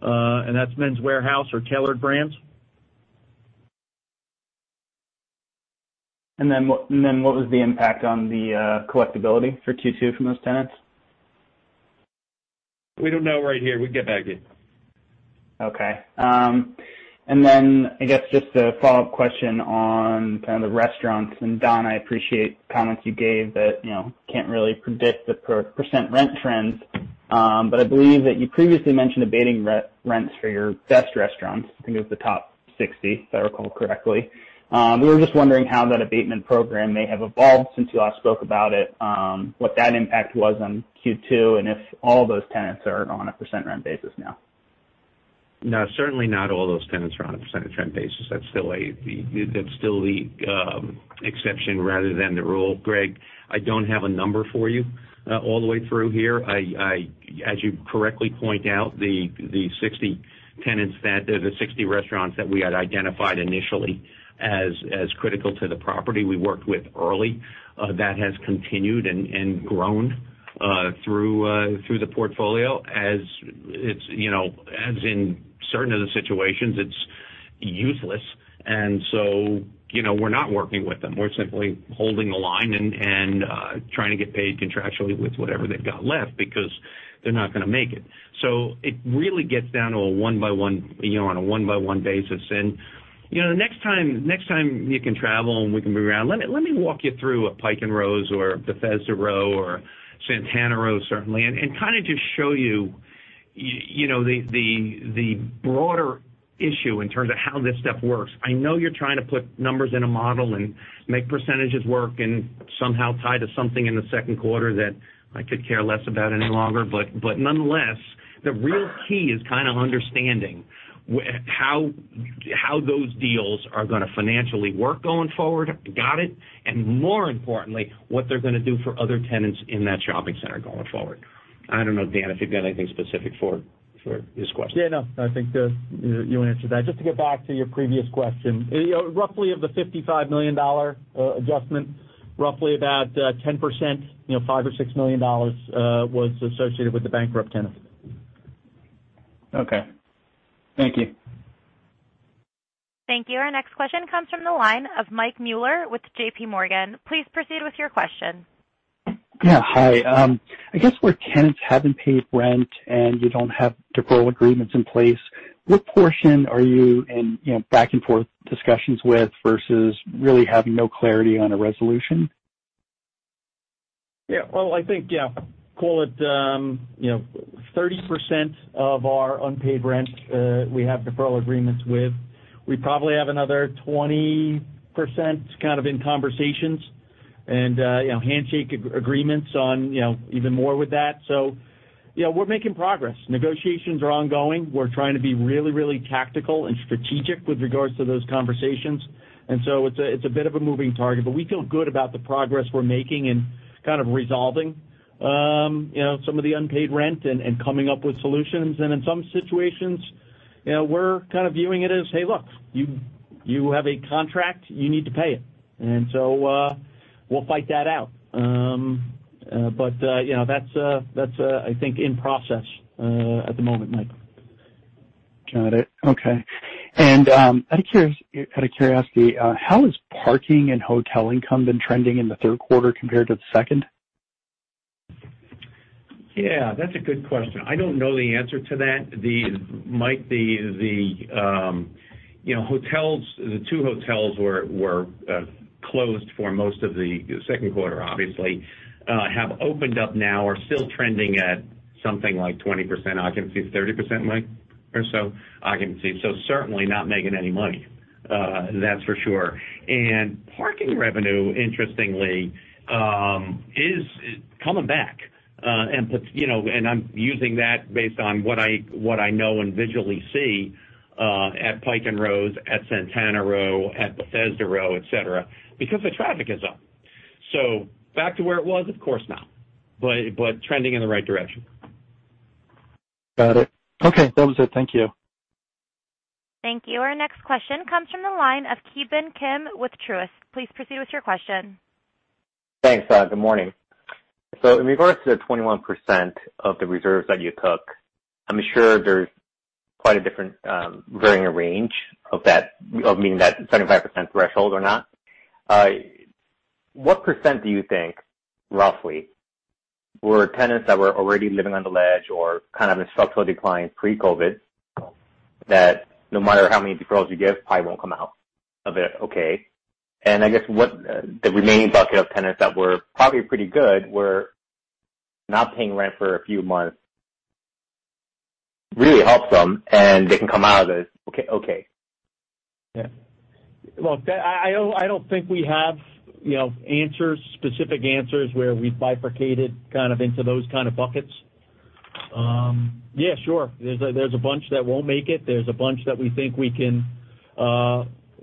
That's Men's Wearhouse or Tailored Brands. What was the impact on the collectibility for Q2 from those tenants? We don't know right here. We can get back to you. Okay. I guess just a follow-up question on kind of the restaurants, and Don, I appreciate comments you gave that can't really predict the percent rent trends. I believe that you previously mentioned abating rents for your best restaurants. I think it was the top 60, if I recall correctly. We were just wondering how that abatement program may have evolved since you last spoke about it, what that impact was on Q2, and if all those tenants are on a percent rent basis now. No, certainly not all those tenants are on a percent rent basis. That's still the exception rather than the rule. Greg, I don't have a number for you all the way through here. As you correctly point out, the 60 restaurants that we had identified initially as critical to the property we worked with early, that has continued and grown through the portfolio. As in certain of the situations, it's useless, we're not working with them. We're simply holding the line and trying to get paid contractually with whatever they've got left because they're not going to make it. It really gets down to a one-by-one basis. The next time you can travel and we can move around, let me walk you through a Pike & Rose or Bethesda Row or Santana Row certainly, and kind of just show you the broader issue in terms of how this stuff works. I know you're trying to put numbers in a model and make percentages work and somehow tie to something in the second quarter that I could care less about any longer. Nonetheless, the real key is kind of understanding how those deals are going to financially work going forward. Got it. More importantly, what they're going to do for other tenants in that shopping center going forward. I don't know, Dan, if you've got anything specific for this question. Yeah, no. I think you answered that. Just to get back to your previous question. Roughly of the $55 million adjustment, roughly about 10%, $5 million or $6 million, was associated with the bankrupt tenants. Okay. Thank you. Thank you. Our next question comes from the line of Mike Mueller with JPMorgan. Please proceed with your question. Yeah. Hi. I guess where tenants haven't paid rent and you don't have deferral agreements in place, what portion are you in back-and-forth discussions with versus really having no clarity on a resolution? Well, I think call it 30% of our unpaid rent we have deferral agreements with. We probably have another 20% kind of in conversations and handshake agreements on even more with that. We're making progress. Negotiations are ongoing. We're trying to be really, really tactical and strategic with regards to those conversations. It's a bit of a moving target, but we feel good about the progress we're making in kind of resolving some of the unpaid rent and coming up with solutions. In some situations, we're kind of viewing it as, hey, look, you have a contract, you need to pay it. We'll fight that out. That's I think in process at the moment, Mike. Got it. Okay. Out of curiosity, how has parking and hotel income been trending in the third quarter compared to the second? Yeah, that's a good question. I don't know the answer to that, Mike. The two hotels were closed for most of the second quarter, obviously, have opened up now, are still trending at something like 20% occupancy, 30%, Mike, or so occupancy. Certainly not making any money, that's for sure. Parking revenue, interestingly, is coming back. I'm using that based on what I know and visually see at Pike & Rose, at Santana Row, at Bethesda Row, et cetera, because the traffic is up. Back to where it was? Of course not. Trending in the right direction. Got it. Okay. That was it. Thank you. Thank you. Our next question comes from the line of Ki Bin Kim with Truist. Please proceed with your question. Thanks. Good morning. In regards to the 21% of the reserves that you took, I'm sure there's quite a different varying range of meeting that 75% threshold or not. What percent do you think, roughly, were tenants that were already living on the ledge or kind of in structural decline pre-COVID, that no matter how many deferrals you give, probably won't come out of it okay? I guess what the remaining bucket of tenants that were probably pretty good were not paying rent for a few months really helps them, and they can come out of this okay. Yeah. Well, I don't think we have specific answers where we bifurcated kind of into those kind of buckets. Yeah, sure. There's a bunch that won't make it. There's a bunch that we think we can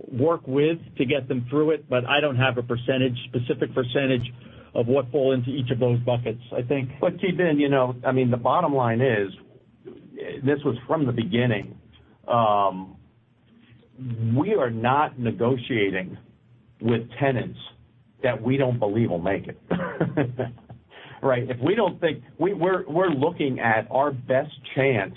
work with to get them through it. I don't have a specific percentage of what fall into each of those buckets. Ki Bin, the bottom line is, this was from the beginning. We are not negotiating with tenants that we don't believe will make it. Right. We're looking at our best chance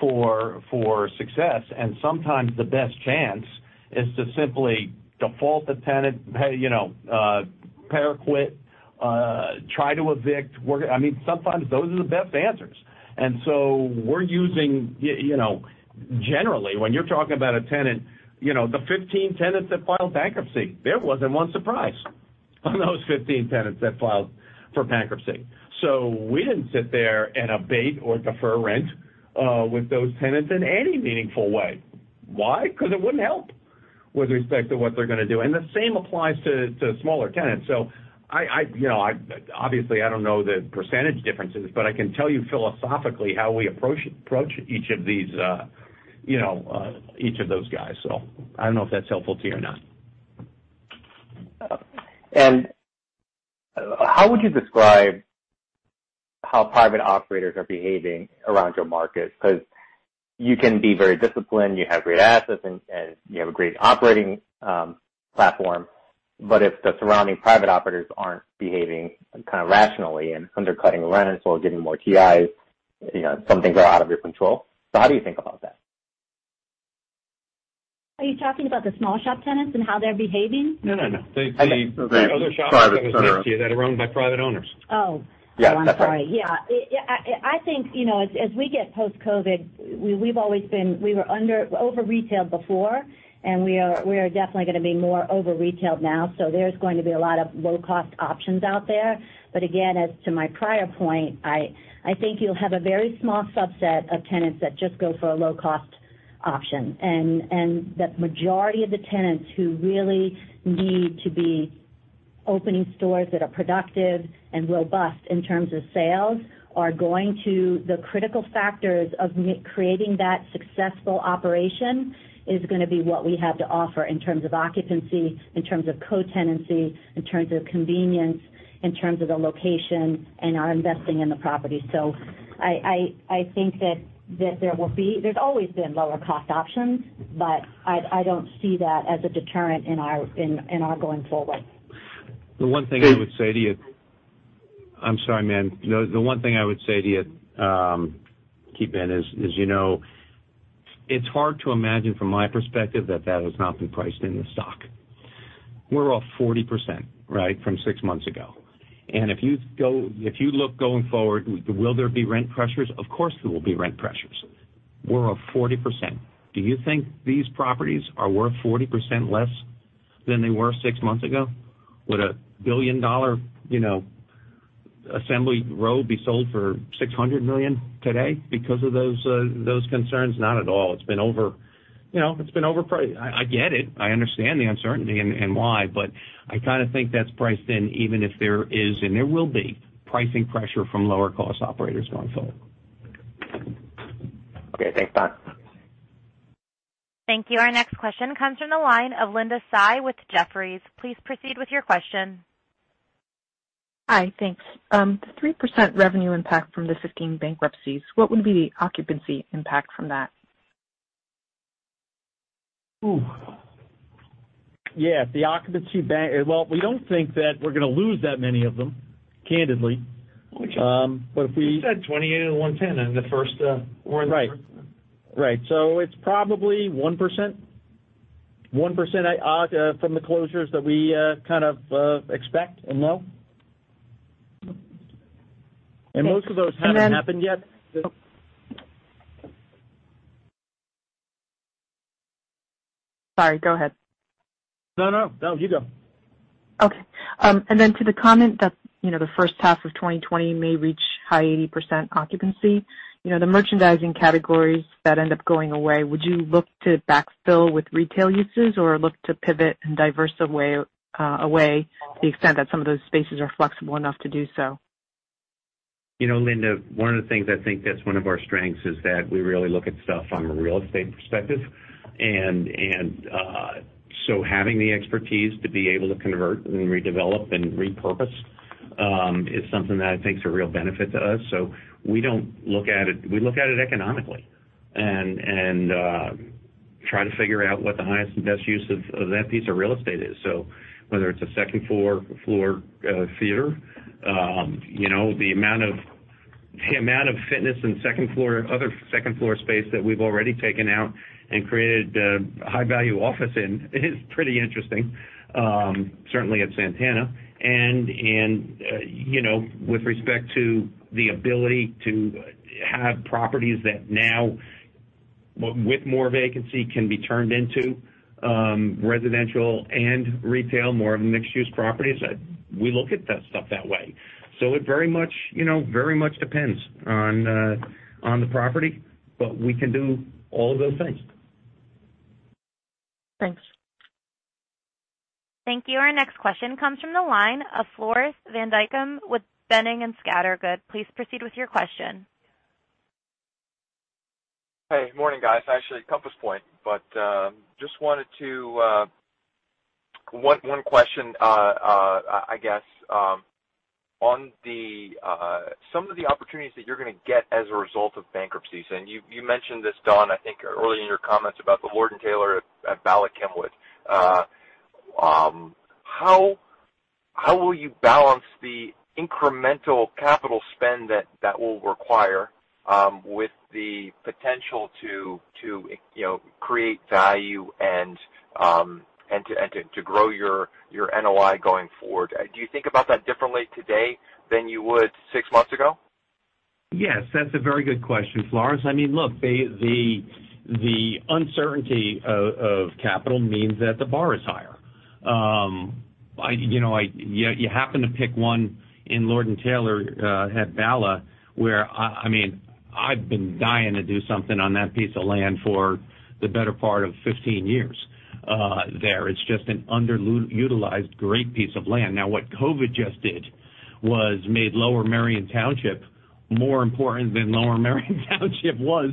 for success, and sometimes the best chance is to simply default the tenant, try to evict. Sometimes those are the best answers. We're using, generally, when you're talking about a tenant, the 15 tenants that filed bankruptcy, there wasn't one surprise on those 15 tenants that filed for bankruptcy. We didn't sit there and abate or defer rent with those tenants in any meaningful way. Why? Because it wouldn't help with respect to what they're going to do. The same applies to smaller tenants. Obviously I don't know the percentage differences, but I can tell you philosophically how we approach each of those guys. I don't know if that's helpful to you or not. How would you describe how private operators are behaving around your market? You can be very disciplined, you have great assets, and you have a great operating platform. If the surrounding private operators aren't behaving kind of rationally and undercutting rent or getting more TIs, some things are out of your control. How do you think about that? Are you talking about the small shop tenants and how they're behaving? No. The private center. Tenants next to you that are owned by private owners. Oh. Yeah. That's right. I'm sorry. Yeah. I think, as we get post-COVID, we were over-retailed before, and we are definitely going to be more over-retailed now. There's going to be a lot of low-cost options out there. Again, as to my prior point, I think you'll have a very small subset of tenants that just go for a low-cost option. That majority of the tenants who really need to be opening stores that are productive and robust in terms of sales, the critical factors of creating that successful operation is going to be what we have to offer in terms of occupancy, in terms of co-tenancy, in terms of convenience, in terms of the location, and our investing in the property. I think that there's always been lower cost options, but I don't see that as a deterrent in our going forward. The one thing I would say to you. I'm sorry, man. The one thing I would say to you, Ki Bin, is it's hard to imagine from my perspective that that has not been priced in the stock. We're off 40%, right, from six months ago. If you look going forward, will there be rent pressures? Of course, there will be rent pressures. We're up 40%. Do you think these properties are worth 40% less than they were six months ago? Would a billion-dollar Assembly Row be sold for $600 million today because of those concerns? Not at all. It's been over-priced. I get it. I understand the uncertainty and why, but I kind of think that's priced in, even if there is, and there will be, pricing pressure from lower cost operators going forward. Okay. Thanks, Don. Thank you. Our next question comes from the line of Linda Tsai with Jefferies. Please proceed with your question. Hi. Thanks. The 3% revenue impact from the 15 bankruptcies, what would be the occupancy impact from that? Ooh. Yeah. Well, we don't think that we're going to lose that many of them, candidly. You said 28 of the 110 in the first. Right. It's probably 1% from the closures that we kind of expect and know. Thank you. Most of those haven't happened yet. Sorry, go ahead. No. You go. Okay. To the comment that the first half of 2020 may reach high 80% occupancy, the merchandising categories that end up going away, would you look to backfill with retail uses or look to pivot and diversify away to the extent that some of those spaces are flexible enough to do so? Linda, one of the things I think that's one of our strengths is that we really look at stuff from a real estate perspective. Having the expertise to be able to convert and redevelop and repurpose is something that I think is a real benefit to us. We look at it economically and try to figure out what the highest and best use of that piece of real estate is. Whether it's a second floor theater, the amount of fitness and other second-floor space that we've already taken out and created high-value office in is pretty interesting, certainly at Santana. With respect to the ability to have properties that now with more vacancy can be turned into residential and retail, more of a mixed-use property, we look at that stuff that way. It very much depends on the property, but we can do all of those things. Thanks. Thank you. Our next question comes from the line of Floris van Dijkum with Boenning & Scattergood. Please proceed with your question. Hey. Morning, guys. Actually, Compass Point. Just one question, I guess. On some of the opportunities that you're going to get as a result of bankruptcies, and you mentioned this, Don, I think earlier in your comments about the Lord & Taylor at Bala Cynwyd. How will you balance the incremental capital spend that that will require with the potential to create value and to grow your NOI going forward? Do you think about that differently today than you would six months ago? Yes. That's a very good question, Floris. Look, the uncertainty of capital means that the bar is higher. You happen to pick one in Lord & Taylor at Bala, where I've been dying to do something on that piece of land for the better part of 15 years there. It's just an underutilized great piece of land. Now, what COVID just did was made Lower Merion Township more important than Lower Merion Township was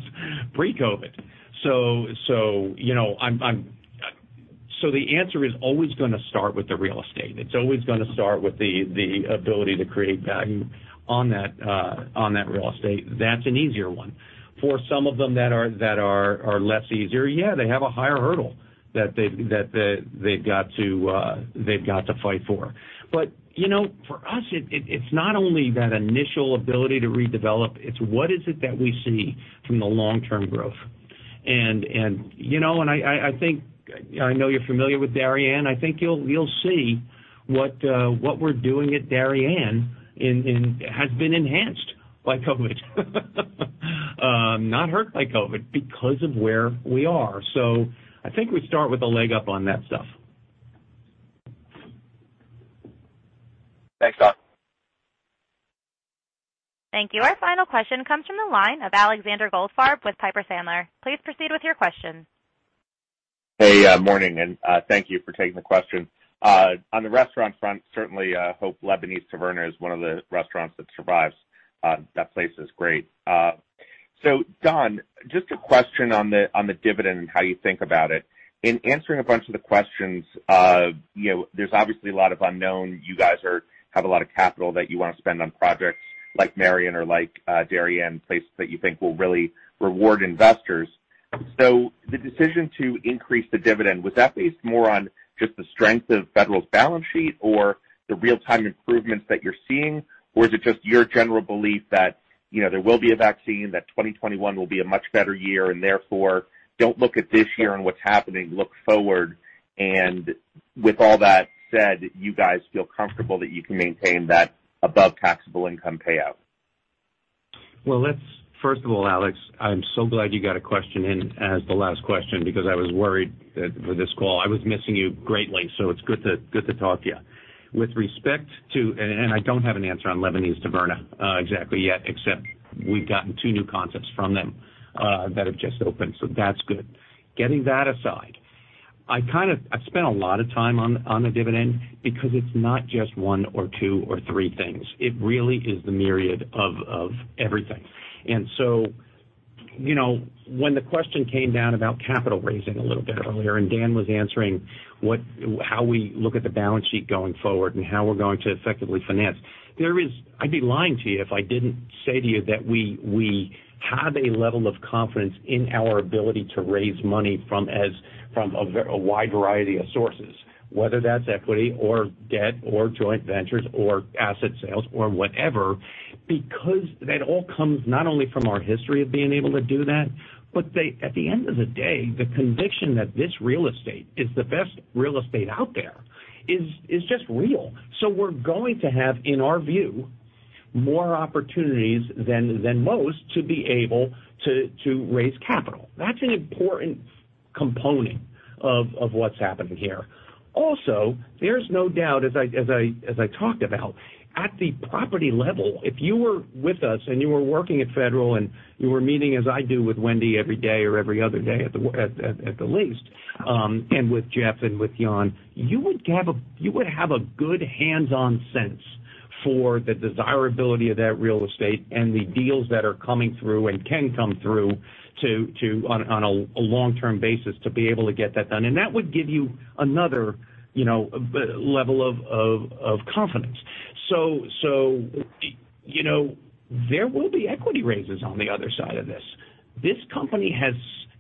pre-COVID. The answer is always going to start with the real estate. It's always going to start with the ability to create value on that real estate. That's an easier one. For some of them that are less easier, yeah, they have a higher hurdle that they've got to fight for. For us, it's not only that initial ability to redevelop, it's what is it that we see from the long-term growth. I know you're familiar with Darien. I think you'll see what we're doing at Darien has been enhanced by COVID. Not hurt by COVID, because of where we are. I think we start with a leg up on that stuff. Thanks, Don. Thank you. Our final question comes from the line of Alexander Goldfarb with Piper Sandler. Please proceed with your question. Hey, morning, thank you for taking the question. On the restaurant front, certainly hope Lebanese Taverna is one of the restaurants that survives. That place is great. Don, just a question on the dividend and how you think about it. In answering a bunch of the questions, there's obviously a lot of unknown. You guys have a lot of capital that you want to spend on projects like Merion or like Darien, places that you think will really reward investors. The decision to increase the dividend, was that based more on just the strength of Federal's balance sheet or the real-time improvements that you're seeing? Is it just your general belief that there will be a vaccine, that 2021 will be a much better year, and therefore don't look at this year and what's happening, look forward, and with all that said, you guys feel comfortable that you can maintain that above taxable income payout? First of all, Alex, I'm so glad you got a question in as the last question, because I was worried that for this call, I was missing you greatly. It's good to talk to you. I don't have an answer on Lebanese Taverna exactly yet, except we've gotten two new concepts from them that have just opened, so that's good. Getting that aside, I've spent a lot of time on the dividend because it's not just one or two or three things. It really is the myriad of everything. When the question came down about capital raising a little bit earlier, and Dan was answering how we look at the balance sheet going forward and how we're going to effectively finance. I'd be lying to you if I didn't say to you that we have a level of confidence in our ability to raise money from a wide variety of sources, whether that's equity or debt or joint ventures or asset sales or whatever, because that all comes not only from our history of being able to do that, but at the end of the day, the conviction that this real estate is the best real estate out there is just real. We're going to have, in our view, more opportunities than most to be able to raise capital. That's an important component of what's happening here. There's no doubt as I talked about, at the property level, if you were with us and you were working at Federal and you were meeting, as I do with Wendy every day or every other day at the least, and with Jeff and with Jan, you would have a good hands-on sense for the desirability of that real estate and the deals that are coming through and can come through on a long-term basis to be able to get that done. That would give you another level of confidence. There will be equity raises on the other side of this. This company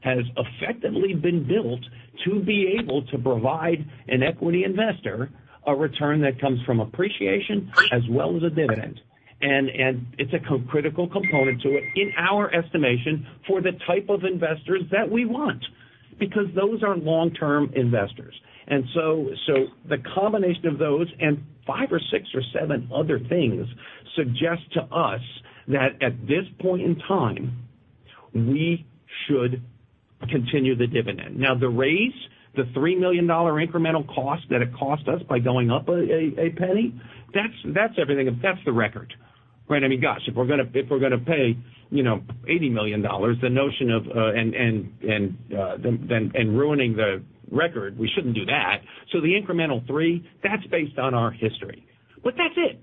has effectively been built to be able to provide an equity investor a return that comes from appreciation as well as a dividend. It's a critical component to it, in our estimation, for the type of investors that we want, because those are long-term investors. The combination of those and five or six or seven other things suggest to us that at this point in time, we should continue the dividend. Now, the raise, the $3 million incremental cost that it cost us by going up $0.01, that's everything. That's the record, right? Gosh, if we're going to pay $80 million, the notion of ruining the record, we shouldn't do that. The incremental three, that's based on our history. That's it.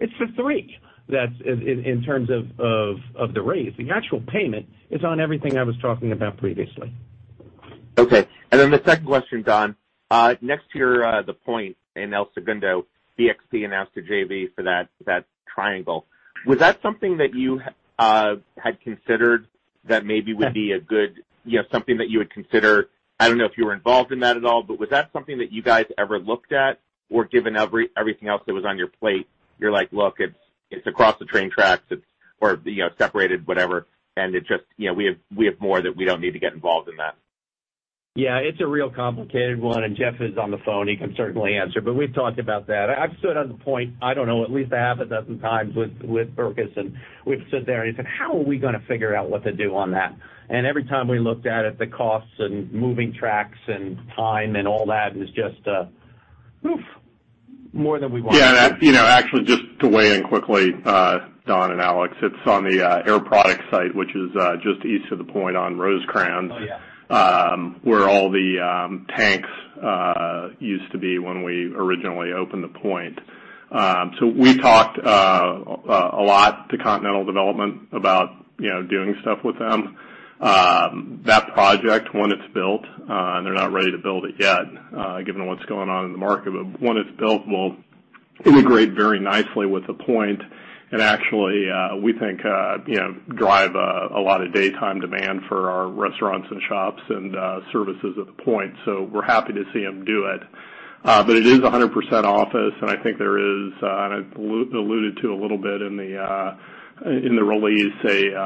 It's the three in terms of the raise. The actual payment is on everything I was talking about previously. Okay. The second question, Don. Next to your The Point in El Segundo, BXP announced a JV for that triangle. Was that something that you had considered, that maybe would be something that you would consider? I don't know if you were involved in that at all, but was that something that you guys ever looked at? Given everything else that was on your plate, you're like, "Look, it's across the train tracks," or separated, whatever, and we have more that we don't need to get involved in that. Yeah. It's a real complicated one, and Jeff is on the phone, he can certainly answer. We've talked about that. I've stood on The Point, I don't know, at least a half a dozen times with Berkes, and we've stood there and said, "How are we going to figure out what to do on that?" Every time we looked at it, the costs and moving tracks and time and all that is just more than we want. Yeah. Actually, just to weigh in quickly, Don and Alex, it's on the Air Products site, which is just east of The Point on Rosecrans. Oh, yeah. Where all the tanks used to be when we originally opened The Point. We talked a lot to Continental Development about doing stuff with them. That project, when it's built, and they're not ready to build it yet given what's going on in the market, but when it's built, will integrate very nicely with The Point and actually, we think, drive a lot of daytime demand for our restaurants and shops and services at The Point. We're happy to see them do it. It is 100% office, and I think there is, and I alluded to a little bit in the release, a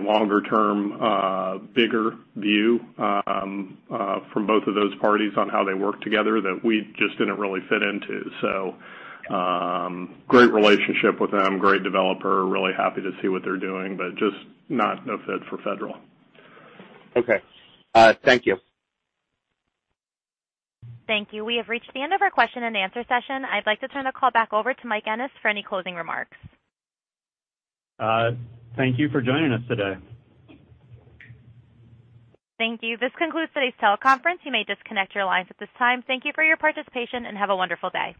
longer-term, bigger view from both of those parties on how they work together that we just didn't really fit into. Great relationship with them, great developer, really happy to see what they're doing, but just not a fit for Federal. Okay. Thank you. Thank you. We have reached the end of our question and answer session. I'd like to turn the call back over to Mike Ennes for any closing remarks. Thank you for joining us today. Thank you. This concludes today's teleconference. You may disconnect your lines at this time. Thank you for your participation, and have a wonderful day.